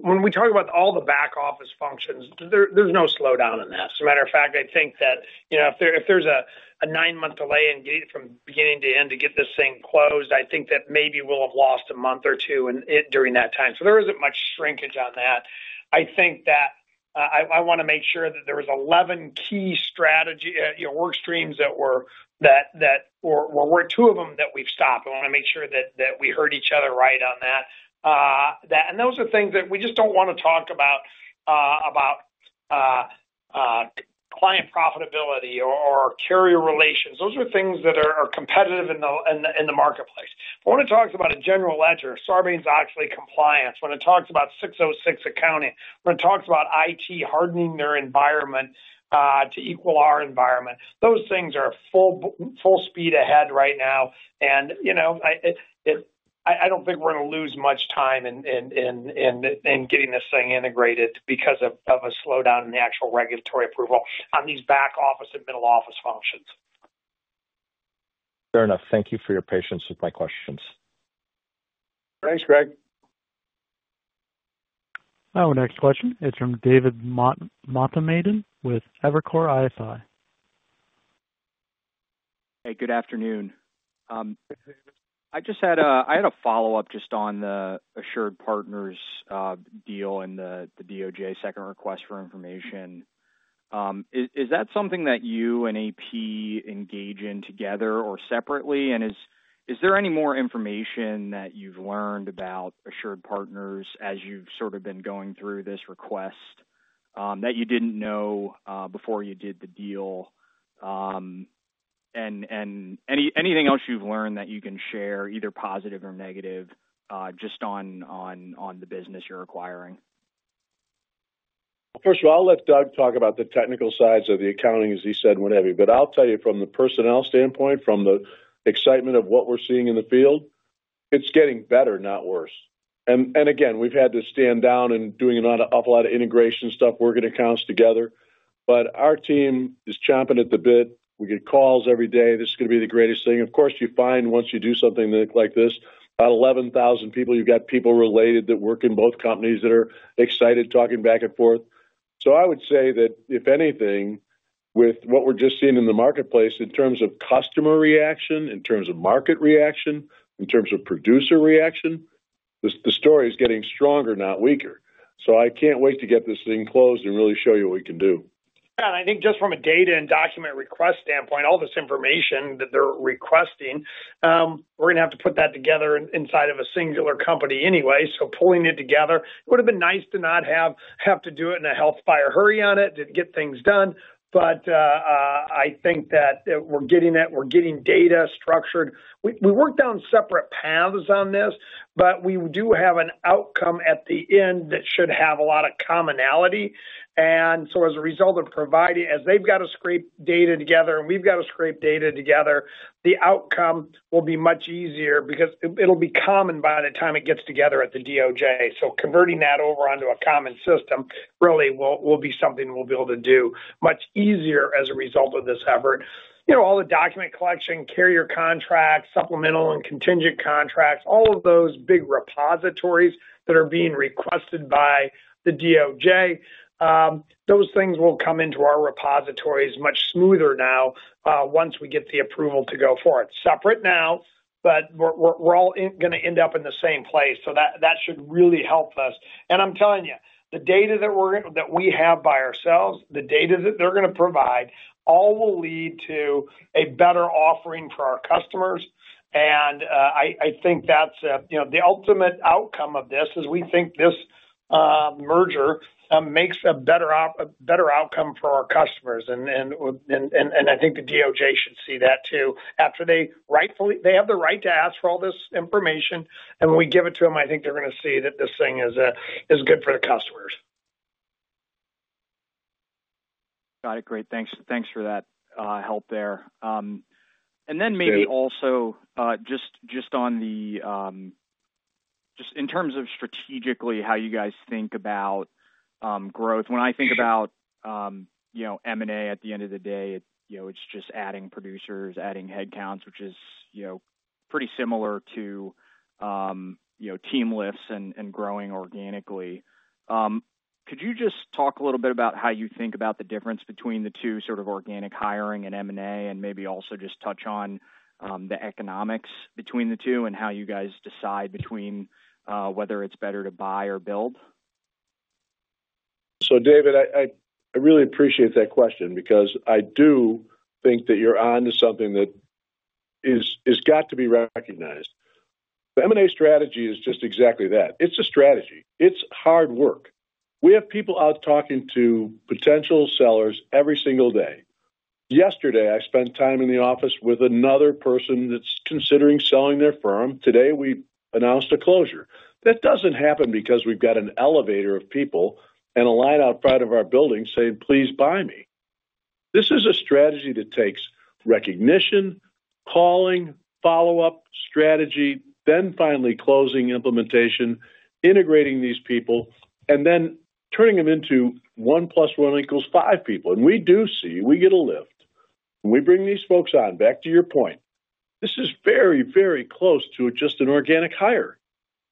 when we talk about all the back office functions, there's no slowdown in that. As a matter of fact, I think that if there's a nine-month delay from beginning to end to get this thing closed, I think that maybe we'll have lost a month or two during that time. There isn't much shrinkage on that. I think that I want to make sure that there were 11 key work streams that were—were two of them that we've stopped. I want to make sure that we heard each other right on that. Those are things that we just don't want to talk about, client profitability or carrier relations. Those are things that are competitive in the marketplace. When it talks about a general ledger, Sarbanes-Oxley compliance, when it talks about 606 accounting, when it talks about IT hardening their environment to equal our environment, those things are full speed ahead right now. I do not think we are going to lose much time in getting this thing integrated because of a slowdown in the actual regulatory approval on these back office and middle office functions. Fair enough. Thank you for your patience with my questions. Thanks, Greg. Our next question is from David Motemaden with Evercore ISI. Hey, good afternoon. I had a follow-up just on the AssuredPartners deal and the DOJ second request for information. Is that something that you and AP engage in together or separately? Is there any more information that you've learned about AssuredPartners as you've sort of been going through this request that you didn't know before you did the deal? Anything else you've learned that you can share, either positive or negative, just on the business you're acquiring? First of all, I'll let Doug talk about the technical sides of the accounting, as he said, what have you. I'll tell you from the personnel standpoint, from the excitement of what we're seeing in the field, it's getting better, not worse. Again, we've had to stand down and doing an awful lot of integration stuff working accounts together. Our team is chomping at the bit. We get calls every day. This is going to be the greatest thing. Of course, you find once you do something like this, about 11,000 people, you've got people related that work in both companies that are excited talking back and forth. I would say that if anything, with what we're just seeing in the marketplace in terms of customer reaction, in terms of market reaction, in terms of producer reaction, the story is getting stronger, not weaker. I can't wait to get this thing closed and really show you what we can do. Yeah. I think just from a data and document request standpoint, all this information that they're requesting, we're going to have to put that together inside of a singular company anyway. So pulling it together, it would have been nice to not have to do it in a hellfire hurry on it to get things done. I think that we're getting it. We're getting data structured. We worked down separate paths on this, but we do have an outcome at the end that should have a lot of commonality. As a result of providing, as they've got to scrape data together and we've got to scrape data together, the outcome will be much easier because it'll be common by the time it gets together at the DOJ. Converting that over onto a common system really will be something we'll be able to do much easier as a result of this effort. All the document collection, carrier contracts, supplemental and contingent contracts, all of those big repositories that are being requested by the DOJ, those things will come into our repositories much smoother now once we get the approval to go for it. Separate now, but we're all going to end up in the same place. That should really help us. I'm telling you, the data that we have by ourselves, the data that they're going to provide, all will lead to a better offering for our customers. I think that's the ultimate outcome of this is we think this merger makes a better outcome for our customers. I think the DOJ should see that too. They have the right to ask for all this information. When we give it to them, I think they're going to see that this thing is good for the customers. Got it. Great. Thanks for that help there. Maybe also just in terms of strategically how you guys think about growth. When I think about M&A at the end of the day, it's just adding producers, adding headcounts, which is pretty similar to team lifts and growing organically. Could you just talk a little bit about how you think about the difference between the two, sort of organic hiring and M&A, and maybe also just touch on the economics between the two and how you guys decide between whether it's better to buy or build? David, I really appreciate that question because I do think that you're on to something that has got to be recognized. The M&A strategy is just exactly that. It's a strategy. It's hard work. We have people out talking to potential sellers every single day. Yesterday, I spent time in the office with another person that's considering selling their firm. Today, we announced a closure. That doesn't happen because we've got an elevator of people and a line outside of our building saying, "Please buy me." This is a strategy that takes recognition, calling, follow-up, strategy, then finally closing implementation, integrating these people, and then turning them into 1 + 1 = 5 people. We do see we get a lift. When we bring these folks on, back to your point, this is very, very close to just an organic hire.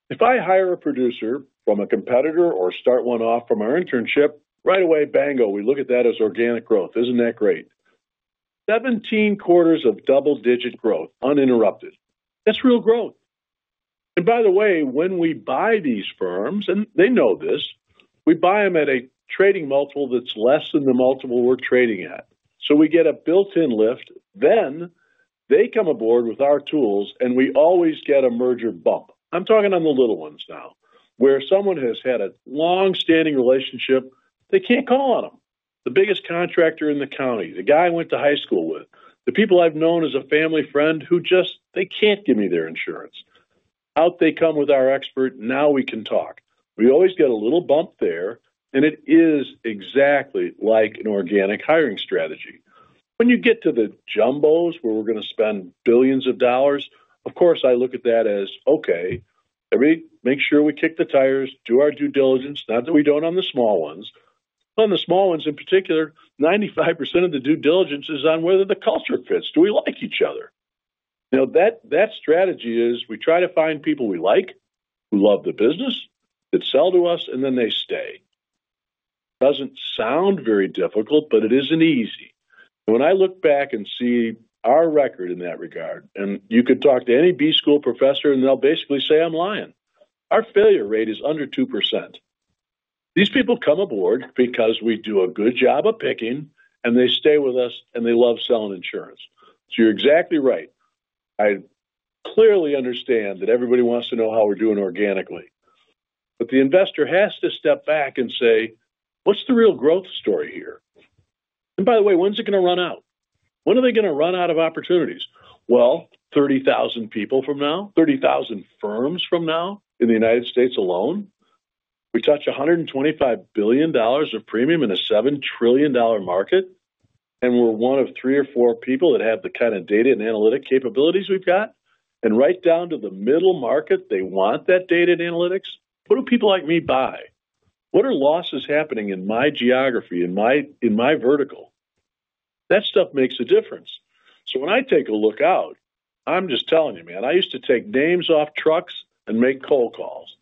If I hire a producer from a competitor or start one off from our internship, right away, bingo, we look at that as organic growth. Isn't that great? 17 quarters of double-digit growth uninterrupted. That's real growth. By the way, when we buy these firms, and they know this, we buy them at a trading multiple that's less than the multiple we're trading at. We get a built-in lift. They come aboard with our tools, and we always get a merger bump. I'm talking on the little ones now, where someone has had a long-standing relationship. They can't call on them. The biggest contractor in the county, the guy I went to high school with, the people I've known as a family friend who just, they can't give me their insurance. Out they come with our expert. Now we can talk. We always get a little bump there, and it is exactly like an organic hiring strategy. When you get to the jumbos where we're going to spend billions of dollars, of course, I look at that as, "Okay. Make sure we kick the tires, do our due diligence." Not that we don't on the small ones. On the small ones in particular, 95% of the due diligence is on whether the culture fits. Do we like each other? That strategy is we try to find people we like, who love the business, that sell to us, and then they stay. Doesn't sound very difficult, but it isn't easy. When I look back and see our record in that regard, and you could talk to any B-school professor, and they'll basically say I'm lying. Our failure rate is under 2%. These people come aboard because we do a good job of picking, and they stay with us, and they love selling insurance. You're exactly right. I clearly understand that everybody wants to know how we're doing organically. The investor has to step back and say, "What's the real growth story here?" By the way, when's it going to run out? When are they going to run out of opportunities? Thirty thousand people from now, 30,000 firms from now in the U.S. alone. We touch $125 billion of premium in a $7 trillion market, and we're one of three or four people that have the kind of data and analytic capabilities we've got. Right down to the middle market, they want that data and analytics. What do people like me buy? What are losses happening in my geography, in my vertical? That stuff makes a difference. When I take a look out, I'm just telling you, man, I used to take names off trucks and make cold calls.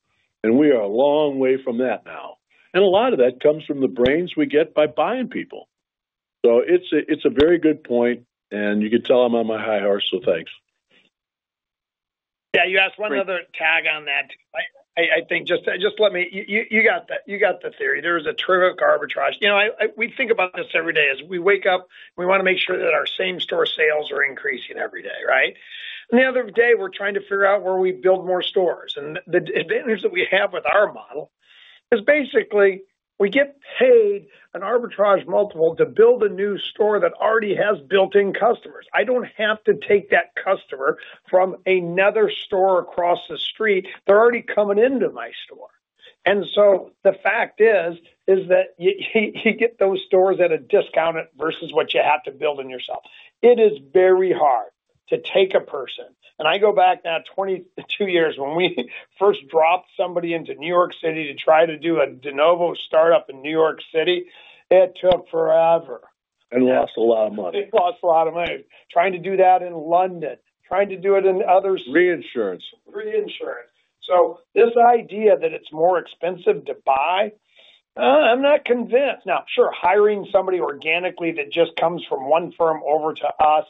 We are a long way from that now. A lot of that comes from the brains we get by buying people. It is a very good point, and you can tell I'm on my high horse, so thanks. Yeah. You asked one other tag on that. I think just let me—you got the theory. There is a terrific arbitrage. We think about this every day as we wake up, and we want to make sure that our same store sales are increasing every day, right? The other day, we're trying to figure out where we build more stores. The advantage that we have with our model is basically we get paid an arbitrage multiple to build a new store that already has built-in customers. I don't have to take that customer from another store across the street. They're already coming into my store. The fact is that you get those stores at a discount versus what you have to build in yourself. It is very hard to take a person. I go back now 22 years when we first dropped somebody into New York City to try to do a Denovo startup in New York City. It took forever. Lost a lot of money. It lost a lot of money. Trying to do that in London, trying to do it in others. Reinsurance. Reinsurance. This idea that it's more expensive to buy, I'm not convinced. Now, sure, hiring somebody organically that just comes from one firm over to us,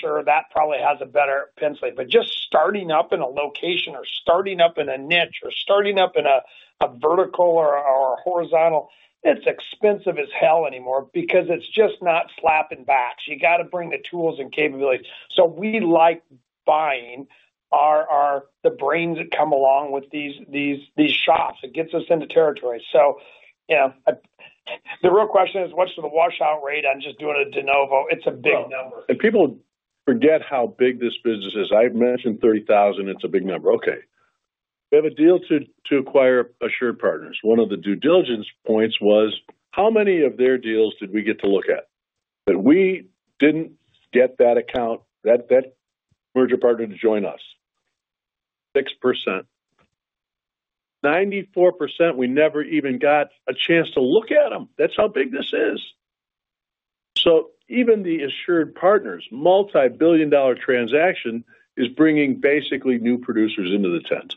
sure, that probably has a better penciling. Just starting up in a location or starting up in a niche or starting up in a vertical or a horizontal, it's expensive as hell anymore because it's just not slapping back. You have to bring the tools and capabilities. We like buying the brains that come along with these shops. It gets us into territory. The real question is, what's the washout rate on just doing a Denovo? It's a big number. People forget how big this business is. I have mentioned 30,000. It is a big number. We have a deal to acquire AssuredPartners. One of the due diligence points was, how many of their deals did we get to look at that we did not get that account, that merger partner to join us? 6%. 94%, we never even got a chance to look at them. That is how big this is. Even the AssuredPartners multi-billion dollar transaction is bringing basically new producers into the tent.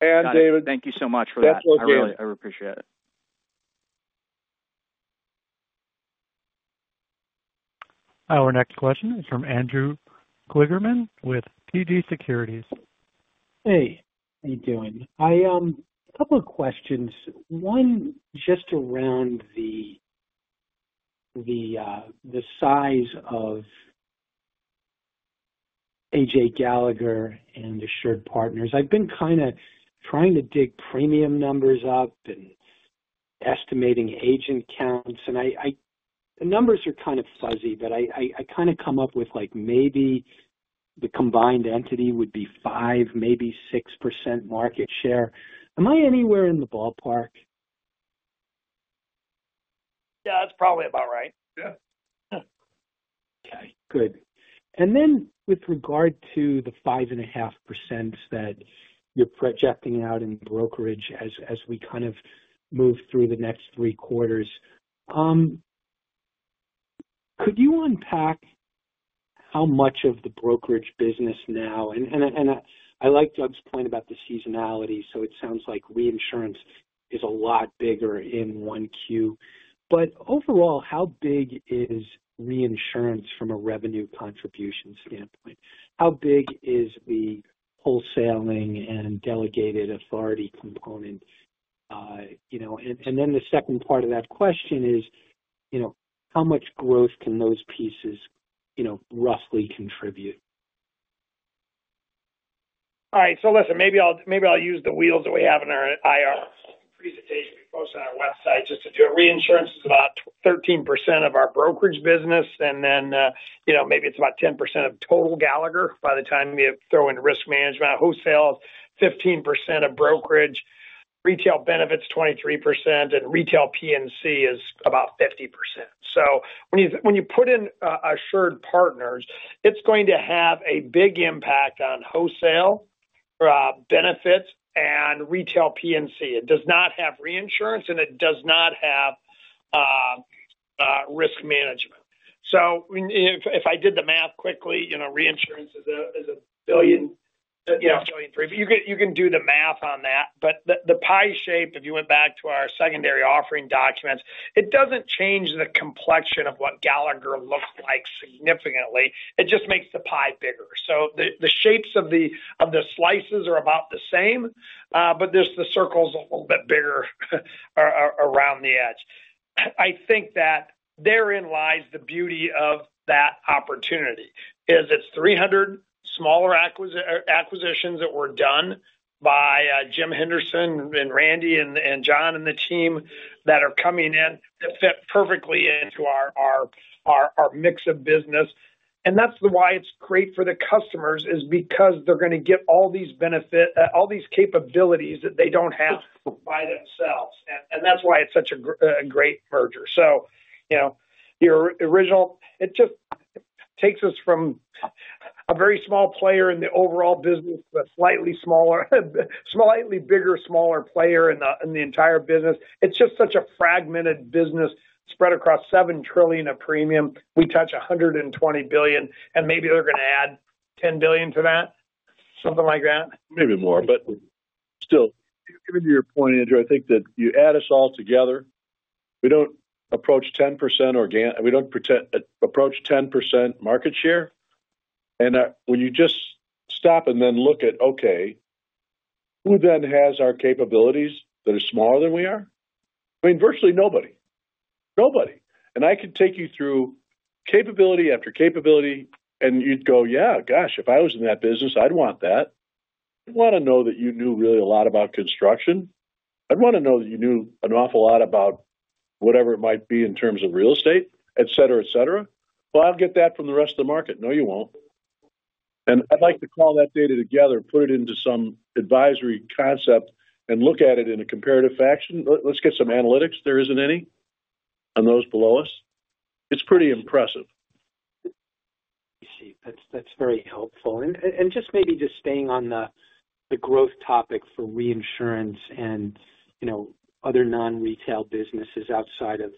And David. Thank you so much for that. That's all. Really, I appreciate it. Our next question is from Andrew Kligerman with TD Securities. Hey. How you doing? I have a couple of questions. One just around the size of AJ Gallagher and AssuredPartners. I've been kind of trying to dig premium numbers up and estimating agent counts. And the numbers are kind of fuzzy, but I kind of come up with maybe the combined entity would be 5% maybe 6% market share. Am I anywhere in the ballpark? Yeah. That's probably about right. Yeah. Okay. Good. With regard to the 5.5% that you're projecting out in brokerage as we kind of move through the next three quarters, could you unpack how much of the brokerage business now? I like Doug's point about the seasonality. It sounds like reinsurance is a lot bigger in one queue. Overall, how big is reinsurance from a revenue contribution standpoint? How big is the wholesaling and delegated authority component? The second part of that question is, how much growth can those pieces roughly contribute? All right. So listen, maybe I'll use the wheels that we have in our IR presentation we post on our website just to do it. Reinsurance is about 13% of our brokerage business. And then maybe it's about 10% of total Gallagher by the time you throw in risk management, wholesale, 15% of brokerage, retail benefits 23%, and retail P&C is about 50%. When you put in AssuredPartners, it's going to have a big impact on wholesale benefits and retail P&C. It does not have reinsurance, and it does not have risk management. If I did the math quickly, reinsurance is a billion, yeah, a billion three. You can do the math on that. The pie shape, if you went back to our secondary offering documents, it doesn't change the complexion of what Gallagher looks like significantly. It just makes the pie bigger. The shapes of the slices are about the same, but the circle is a little bit bigger around the edge. I think that therein lies the beauty of that opportunity is it's 300 smaller acquisitions that were done by Jim Henderson and Randy and John and the team that are coming in that fit perfectly into our mix of business. That's why it's great for the customers is because they're going to get all these benefits, all these capabilities that they don't have by themselves. That's why it's such a great merger. Your original, it just takes us from a very small player in the overall business to a slightly bigger, smaller player in the entire business. It's just such a fragmented business spread across $7 trillion of premium. We touch $120 billion, and maybe they're going to add $10 billion to that, something like that. Maybe more. Still, given your point, Andrew, I think that you add us all together. We do not approach 10% organic. We do not approach 10% market share. When you just stop and then look at, okay, who then has our capabilities that are smaller than we are? I mean, virtually nobody. Nobody. I could take you through capability after capability, and you would go, "Yeah, gosh, if I was in that business, I would want that." I would want to know that you knew really a lot about construction. I would want to know that you knew an awful lot about whatever it might be in terms of real estate, etc., etc. "Well, I will get that from the rest of the market." No, you will not. I would like to call that data together, put it into some advisory concept, and look at it in a comparative fashion. Let us get some analytics. There isn't any on those below us. It's pretty impressive. I see. That's very helpful. Maybe just staying on the growth topic for reinsurance and other non-retail businesses outside of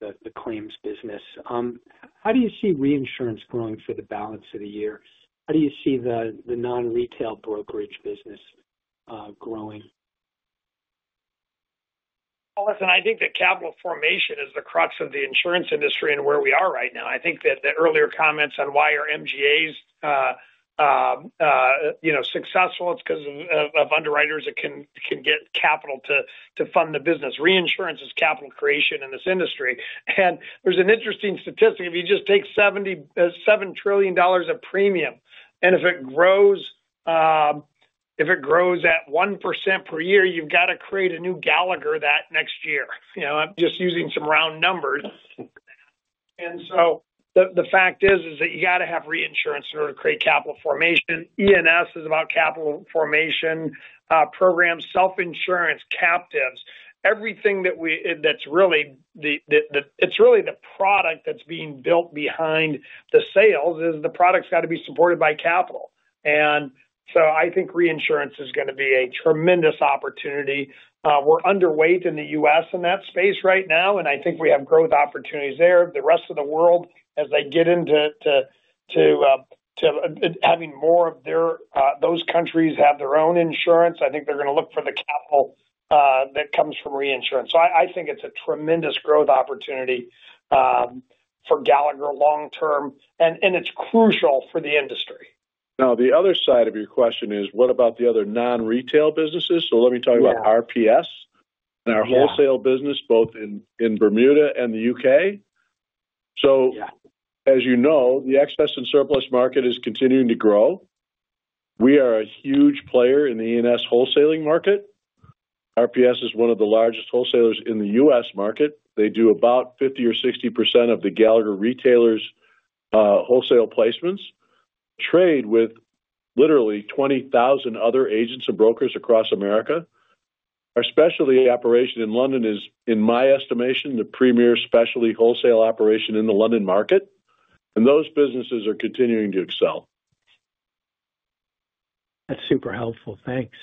the claims business. How do you see reinsurance growing for the balance of the year? How do you see the non-retail brokerage business growing? I think that capital formation is the crux of the insurance industry and where we are right now. I think that the earlier comments on why are MGAs successful, it's because of underwriters that can get capital to fund the business. Reinsurance is capital creation in this industry. There's an interesting statistic. If you just take $7 trillion of premium, and if it grows at 1% per year, you've got to create a new Gallagher that next year. I'm just using some round numbers. The fact is that you got to have reinsurance in order to create capital formation. E&S is about capital formation programs, self-insurance, captives. Everything that's really the product that's being built behind the sales is the product's got to be supported by capital. I think reinsurance is going to be a tremendous opportunity. We're underweight in the U.S. in that space right now, and I think we have growth opportunities there. The rest of the world, as they get into having more of those countries have their own insurance, I think they're going to look for the capital that comes from reinsurance. I think it's a tremendous growth opportunity for Gallagher long-term, and it's crucial for the industry. Now, the other side of your question is, what about the other non-retail businesses? Let me talk about RPS and our wholesale business, both in Bermuda and the U.K. As you know, the excess and surplus market is continuing to grow. We are a huge player in the E&S wholesaling market. RPS is one of the largest wholesalers in the U.S. market. They do about 50%-60% of the Gallagher retailers' wholesale placements. Trade with literally 20,000 other agents and brokers across America. Our specialty operation in London is, in my estimation, the premier specialty wholesale operation in the London market. Those businesses are continuing to excel. That's super helpful. Thanks.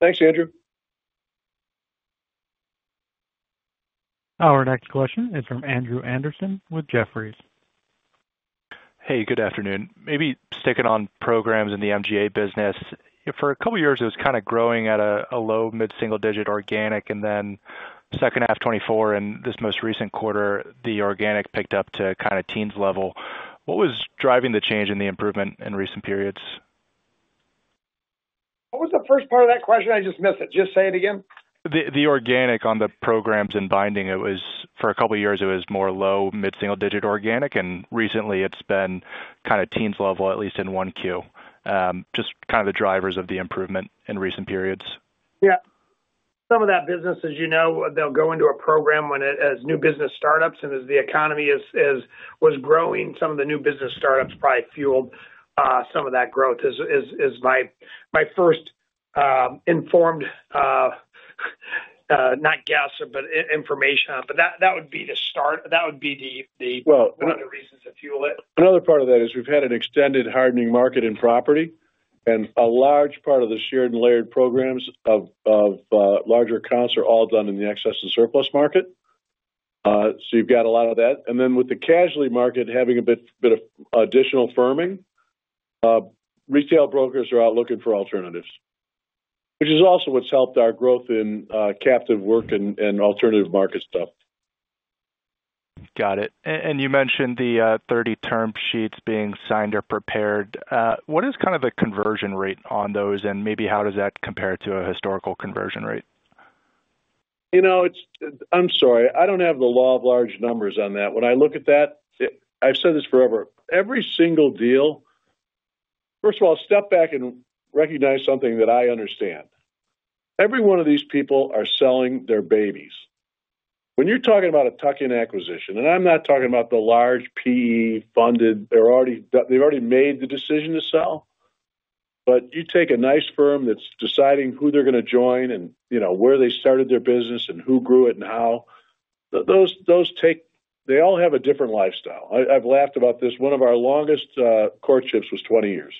Thanks, Andrew. Our next question is from Andrew Andersen with Jefferies. Hey, good afternoon. Maybe sticking on programs in the MGA business. For a couple of years, it was kind of growing at a low, mid-single-digit organic, and then second half 2024, in this most recent quarter, the organic picked up to kind of teens level. What was driving the change in the improvement in recent periods? What was the first part of that question? I just missed it. Just say it again. The organic on the programs and binding, for a couple of years, it was more low, mid-single-digit organic. Recently, it's been kind of teens level, at least in one Q. Just kind of the drivers of the improvement in recent periods. Yeah. Some of that business, as you know, they'll go into a program as new business startups. And as the economy was growing, some of the new business startups probably fueled some of that growth is my first informed, not guess, but information. That would be the start. That would be one of the reasons to fuel it. Another part of that is we've had an extended hardening market in property. A large part of the shared and layered programs of larger accounts are all done in the excess and surplus market. You've got a lot of that. With the casualty market having a bit of additional firming, retail brokers are out looking for alternatives, which is also what's helped our growth in captive work and alternative market stuff. Got it. You mentioned the 30-term sheets being signed or prepared. What is kind of the conversion rate on those, and maybe how does that compare to a historical conversion rate? I'm sorry. I don't have the law of large numbers on that. When I look at that, I've said this forever. Every single deal, first of all, step back and recognize something that I understand. Every one of these people are selling their babies. When you're talking about a Tucking acquisition, and I'm not talking about the large P/E funded, they've already made the decision to sell. You take a nice firm that's deciding who they're going to join and where they started their business and who grew it and how. They all have a different lifestyle. I've laughed about this. One of our longest courtships was 20 years.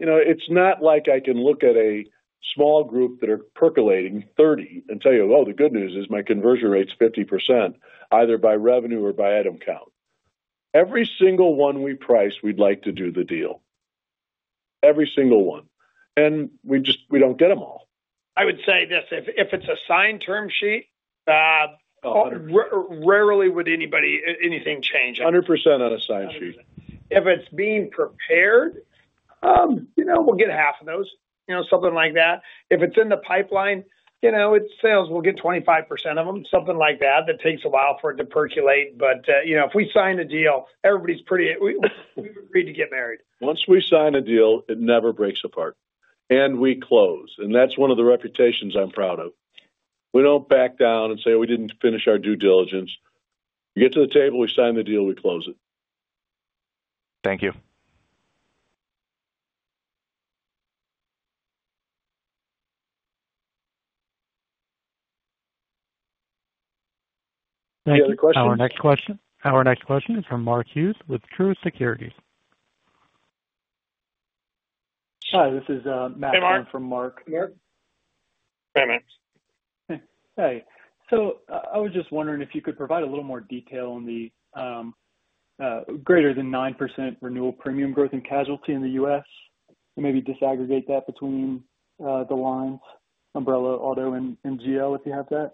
It's not like I can look at a small group that are percolating 30% and tell you, "Oh, the good news is my conversion rate's 50%, either by revenue or by item count." Every single one we price, we'd like to do the deal. Every single one. We don't get them all. I would say, yes, if it's a signed term sheet, rarely would anything change. 100% on a signed sheet. If it's being prepared, we'll get half of those, something like that. If it's in the pipeline, it sells, we'll get 25% of them, something like that. That takes a while for it to percolate. If we sign a deal, everybody's pretty agreed to get married. Once we sign a deal, it never breaks apart. We close. That is one of the reputations I'm proud of. We don't back down and say, "We didn't finish our due diligence." We get to the table, we sign the deal, we close it. Thank you. Thank you. Our next question is from Mark Hughes with Truist Securities. Hi, this is Matt from Mark. Hey, Mark. Hey, Matt. Hey. I was just wondering if you could provide a little more detail on the greater than 9% renewal premium growth in casualty in the U.S. and maybe disaggregate that between the lines, umbrella, auto, and GL, if you have that.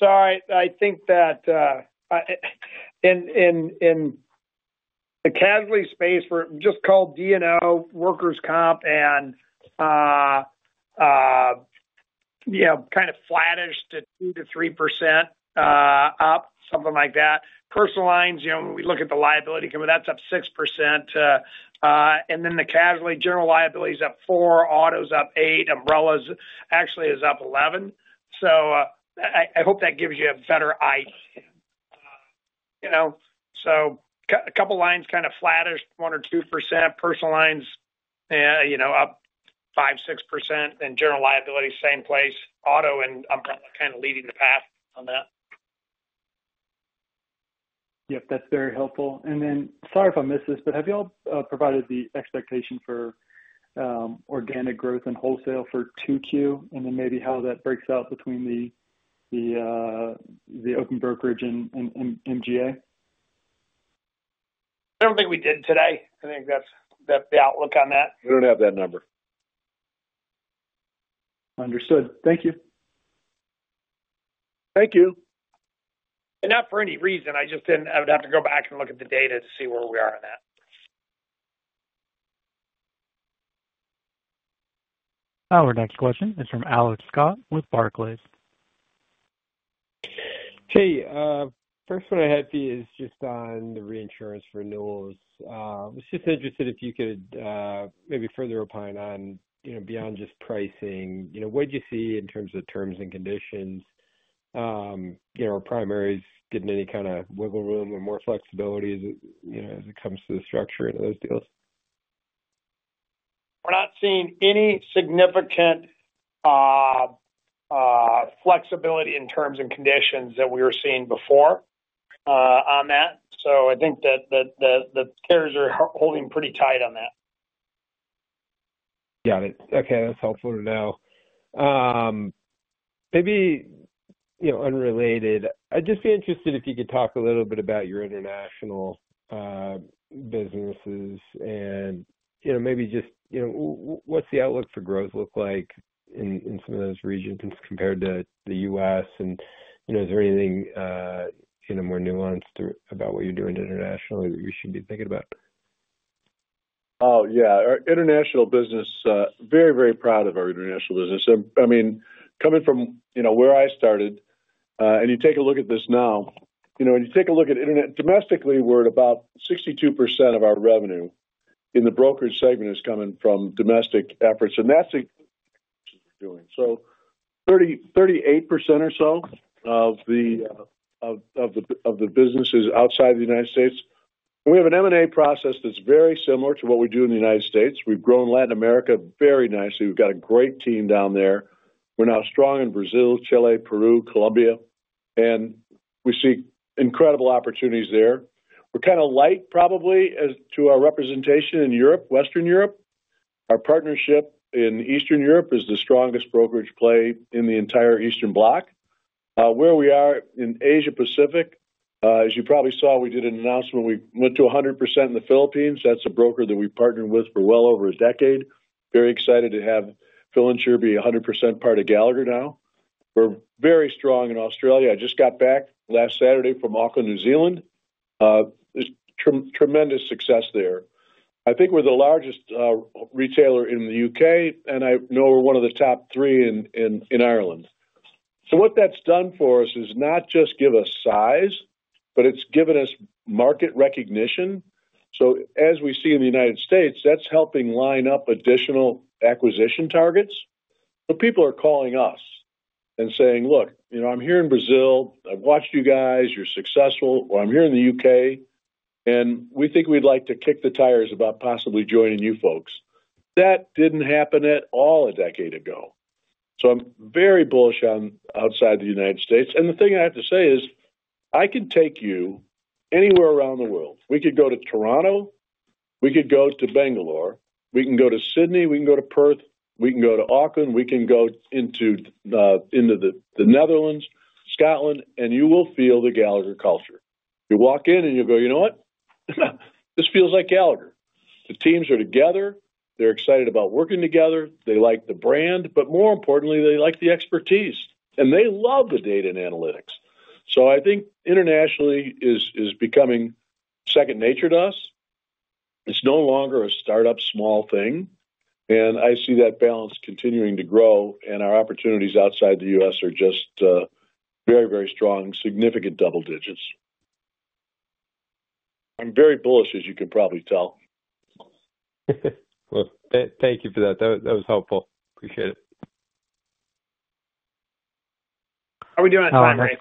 Yep. I think that in the casualty space, we are just called D&O, workers' comp, and kind of flattish to 2% to 3% up, something like that. Personal lines, when we look at the liability company, that is up 6%. Then the casualty general liability is up 4%, auto's up 8%, umbrella actually is up 11%. I hope that gives you a better idea. A couple of lines kind of flattish, 1% to 2%. Personal lines up 5% to 6%. General liability, same place. Auto and umbrella kind of leading the path on that. Yep. That's very helpful. Sorry if I missed this, but have y'all provided the expectation for organic growth and wholesale for 2Q and then maybe how that breaks out between the open brokerage and MGA? I don't think we did today. I think that's the outlook on that. We don't have that number. Understood. Thank you. Thank you. Not for any reason. I would have to go back and look at the data to see where we are on that. Our next question is from Alex Scott with Barclays. Hey. First, what I had for you is just on the reinsurance for renewals. I was just interested if you could maybe further opine on beyond just pricing. What did you see in terms of terms and conditions? Are primaries getting any kind of wiggle room or more flexibility as it comes to the structure of those deals? We're not seeing any significant flexibility in terms and conditions that we were seeing before on that. I think that the carriers are holding pretty tight on that. Got it. Okay. That's helpful to know. Maybe unrelated, I'd just be interested if you could talk a little bit about your international businesses and maybe just what's the outlook for growth look like in some of those regions compared to the U.S.? Is there anything more nuanced about what you're doing internationally that we should be thinking about? Oh, yeah. International business, very, very proud of our international business. I mean, coming from where I started, and you take a look at this now, when you take a look at domestically, we're at about 62% of our revenue in the brokerage segment is coming from domestic efforts. That's what we're doing. 38% or so of the business is outside the U.S. We have an M&A process that's very similar to what we do in the U.S. We've grown Latin America very nicely. We've got a great team down there. We're now strong in Brazil, Chile, Peru, Colombia. We see incredible opportunities there. We're kind of light, probably, to our representation in Europe, Western Europe. Our partnership in Eastern Europe is the strongest brokerage play in the entire Eastern block. Where we are in Asia-Pacific, as you probably saw, we did an announcement. We went to 100% in the Philippines. That's a broker that we partnered with for well over a decade. Very excited to have Phil and Cher be 100% part of Gallagher now. We're very strong in Australia. I just got back last Saturday from Auckland, New Zealand. Tremendous success there. I think we're the largest retailer in the U.K., and I know we're one of the top three in Ireland. What that's done for us is not just give us size, but it's given us market recognition. As we see in the United States, that's helping line up additional acquisition targets. People are calling us and saying, "Look, I'm here in Brazil. I've watched you guys. You're successful." Or, "I'm here in the U.K., and we think we'd like to kick the tires about possibly joining you folks." That didn't happen at all a decade ago. I'm very bullish on outside the U.S. The thing I have to say is I can take you anywhere around the world. We could go to Toronto. We could go to Bangalore. We can go to Sydney. We can go to Perth. We can go to Auckland. We can go into the Netherlands, Scotland, and you will feel the Gallagher culture. You walk in and you'll go, "You know what? This feels like Gallagher." The teams are together. They're excited about working together. They like the brand. More importantly, they like the expertise. They love the data and analytics. I think internationally is becoming second nature to us. It's no longer a startup small thing. I see that balance continuing to grow. Our opportunities outside the U.S. are just very, very strong, significant double digits. I'm very bullish, as you can probably tell. Thank you for that. That was helpful. Appreciate it. How are we doing on time, Rick?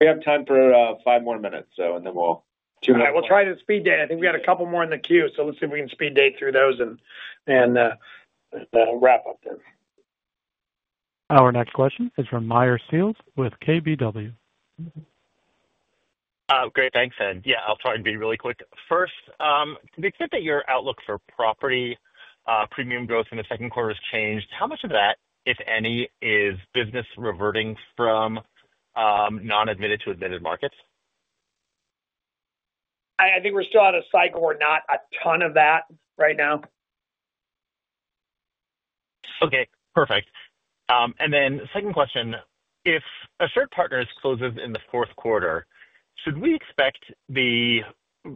We have time for five more minutes, and then we'll— All right. We'll try to speed date. I think we got a couple more in the queue. Let's see if we can speed date through those and wrap up there. Our next question is from Meyer Shields with KBW. Great. Thanks. Yeah, I'll try and be really quick. First, to the extent that your outlook for property premium growth in the second quarter has changed, how much of that, if any, is business reverting from non-admitted to admitted markets? I think we're still at a site where we're not a ton of that right now. Okay. Perfect. And then second question, if AssuredPartners closes in the fourth quarter, should we expect the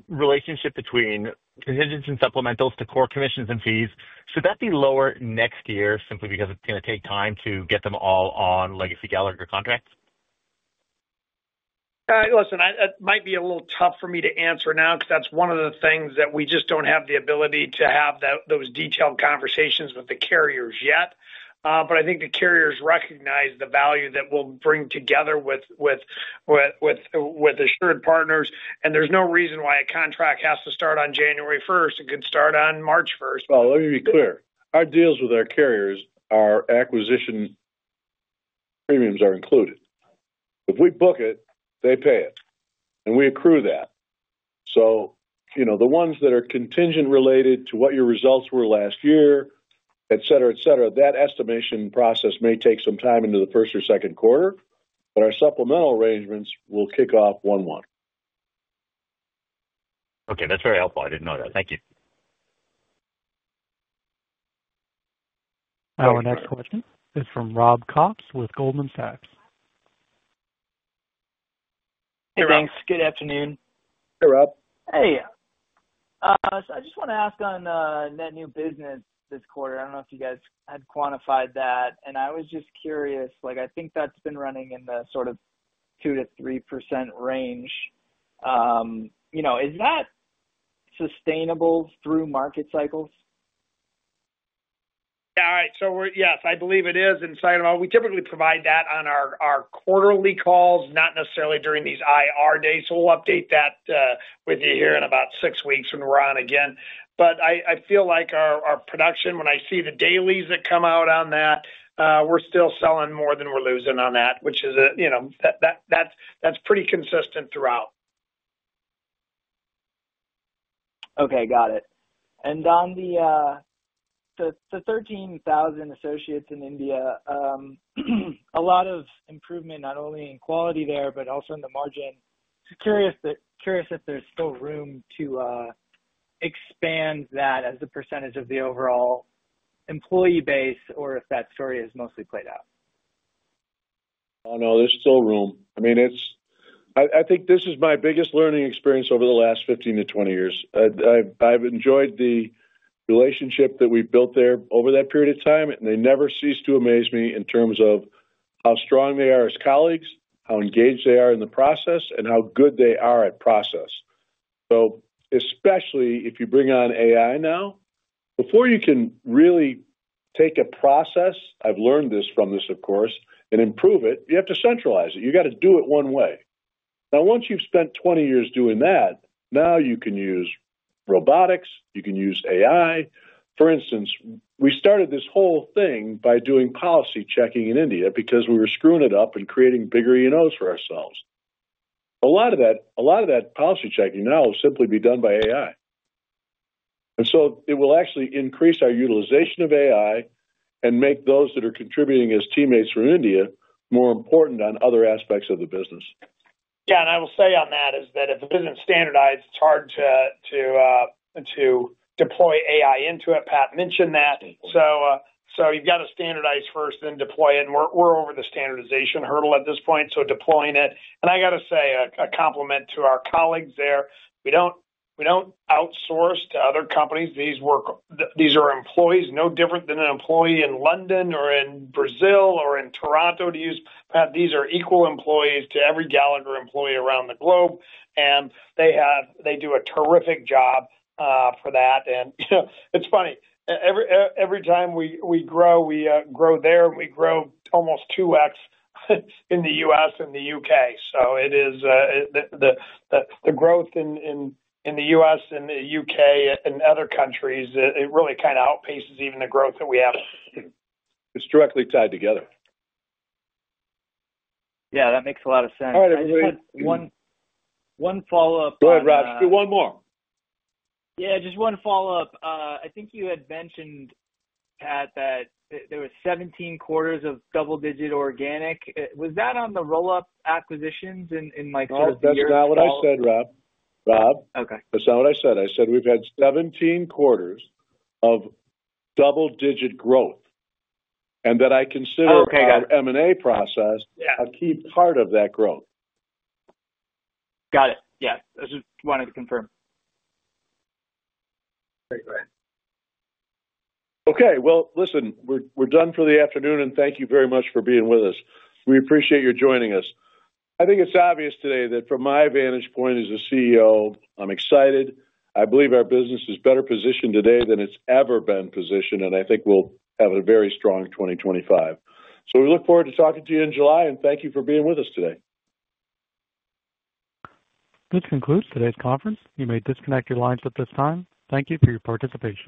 relationship between contingents and supplementals to core commissions and fees, should that be lower next year simply because it's going to take time to get them all on legacy Gallagher contracts? Listen, it might be a little tough for me to answer now because that's one of the things that we just don't have the ability to have those detailed conversations with the carriers yet. I think the carriers recognize the value that we'll bring together with AssuredPartners. There's no reason why a contract has to start on January 1st. It could start on March 1st. Let me be clear. Our deals with our carriers, our acquisition premiums are included. If we book it, they pay it. We accrue that. The ones that are contingent related to what your results were last year, etc., etc., that estimation process may take some time into the first or second quarter. Our supplemental arrangements will kick off one month. Okay. That's very helpful. I didn't know that. Thank you. Our next question is from Rob Cox with Goldman Sachs. Hey, Rick. Good afternoon. Hey, Rob. Hey. I just want to ask on that new business this quarter. I do not know if you guys had quantified that. I was just curious. I think that has been running in the sort of 2%-3% range. Is that sustainable through market cycles? Yeah. Yes, I believe it is inside of all. We typically provide that on our quarterly calls, not necessarily during these IR days. We will update that with you here in about six weeks when we are on again. I feel like our production, when I see the dailies that come out on that, we are still selling more than we are losing on that, which is pretty consistent throughout. Okay. Got it. On the 13,000 associates in India, a lot of improvement not only in quality there, but also in the margin. Curious if there's still room to expand that as a percentage of the overall employee base or if that story has mostly played out. Oh, no. There's still room. I mean, I think this is my biggest learning experience over the last 15 to 20 years. I've enjoyed the relationship that we've built there over that period of time. They never cease to amaze me in terms of how strong they are as colleagues, how engaged they are in the process, and how good they are at process. Especially if you bring on AI now, before you can really take a process—I’ve learned this from this, of course—and improve it, you have to centralize it. You got to do it one way. Now, once you've spent 20 years doing that, now you can use robotics. You can use AI. For instance, we started this whole thing by doing policy checking in India because we were screwing it up and creating bigger E&Os for ourselves. A lot of that policy checking now will simply be done by AI. It will actually increase our utilization of AI and make those that are contributing as teammates from India more important on other aspects of the business. Yeah. I will say on that is that if the business standardizes, it's hard to deploy AI into it. Pat mentioned that. You have to standardize first, then deploy it. We are over the standardization hurdle at this point, so deploying it. I have to say a compliment to our colleagues there. We do not outsource to other companies. These are employees, no different than an employee in London or in Brazil or in Toronto, to use. These are equal employees to every Gallagher employee around the globe. They do a terrific job for that. It's funny. Every time we grow, we grow there. We grow almost 2X in the U.S. and the U.K. The growth in the U.S. and the U.K. and other countries really kind of outpaces even the growth that we have. It's directly tied together. Yeah. That makes a lot of sense. All right. I believe one follow-up. Go ahead, Rob. Do one more. Yeah. Just one follow-up. I think you had mentioned, Pat, that there were 17 quarters of double-digit organic. Was that on the roll-up acquisitions in like 12 years? Oh, that's not what I said, Rob. That's not what I said. I said we've had 17 quarters of double-digit growth. And that I consider our M&A process a key part of that growth. Got it. Yeah. I just wanted to confirm. Okay. Go ahead. Okay. Listen, we're done for the afternoon. Thank you very much for being with us. We appreciate your joining us. I think it's obvious today that from my vantage point as CEO, I'm excited. I believe our business is better positioned today than it's ever been positioned. I think we'll have a very strong 2025. We look forward to talking to you in July. Thank you for being with us today. This concludes today's conference. You may disconnect your lines at this time. Thank you for your participation.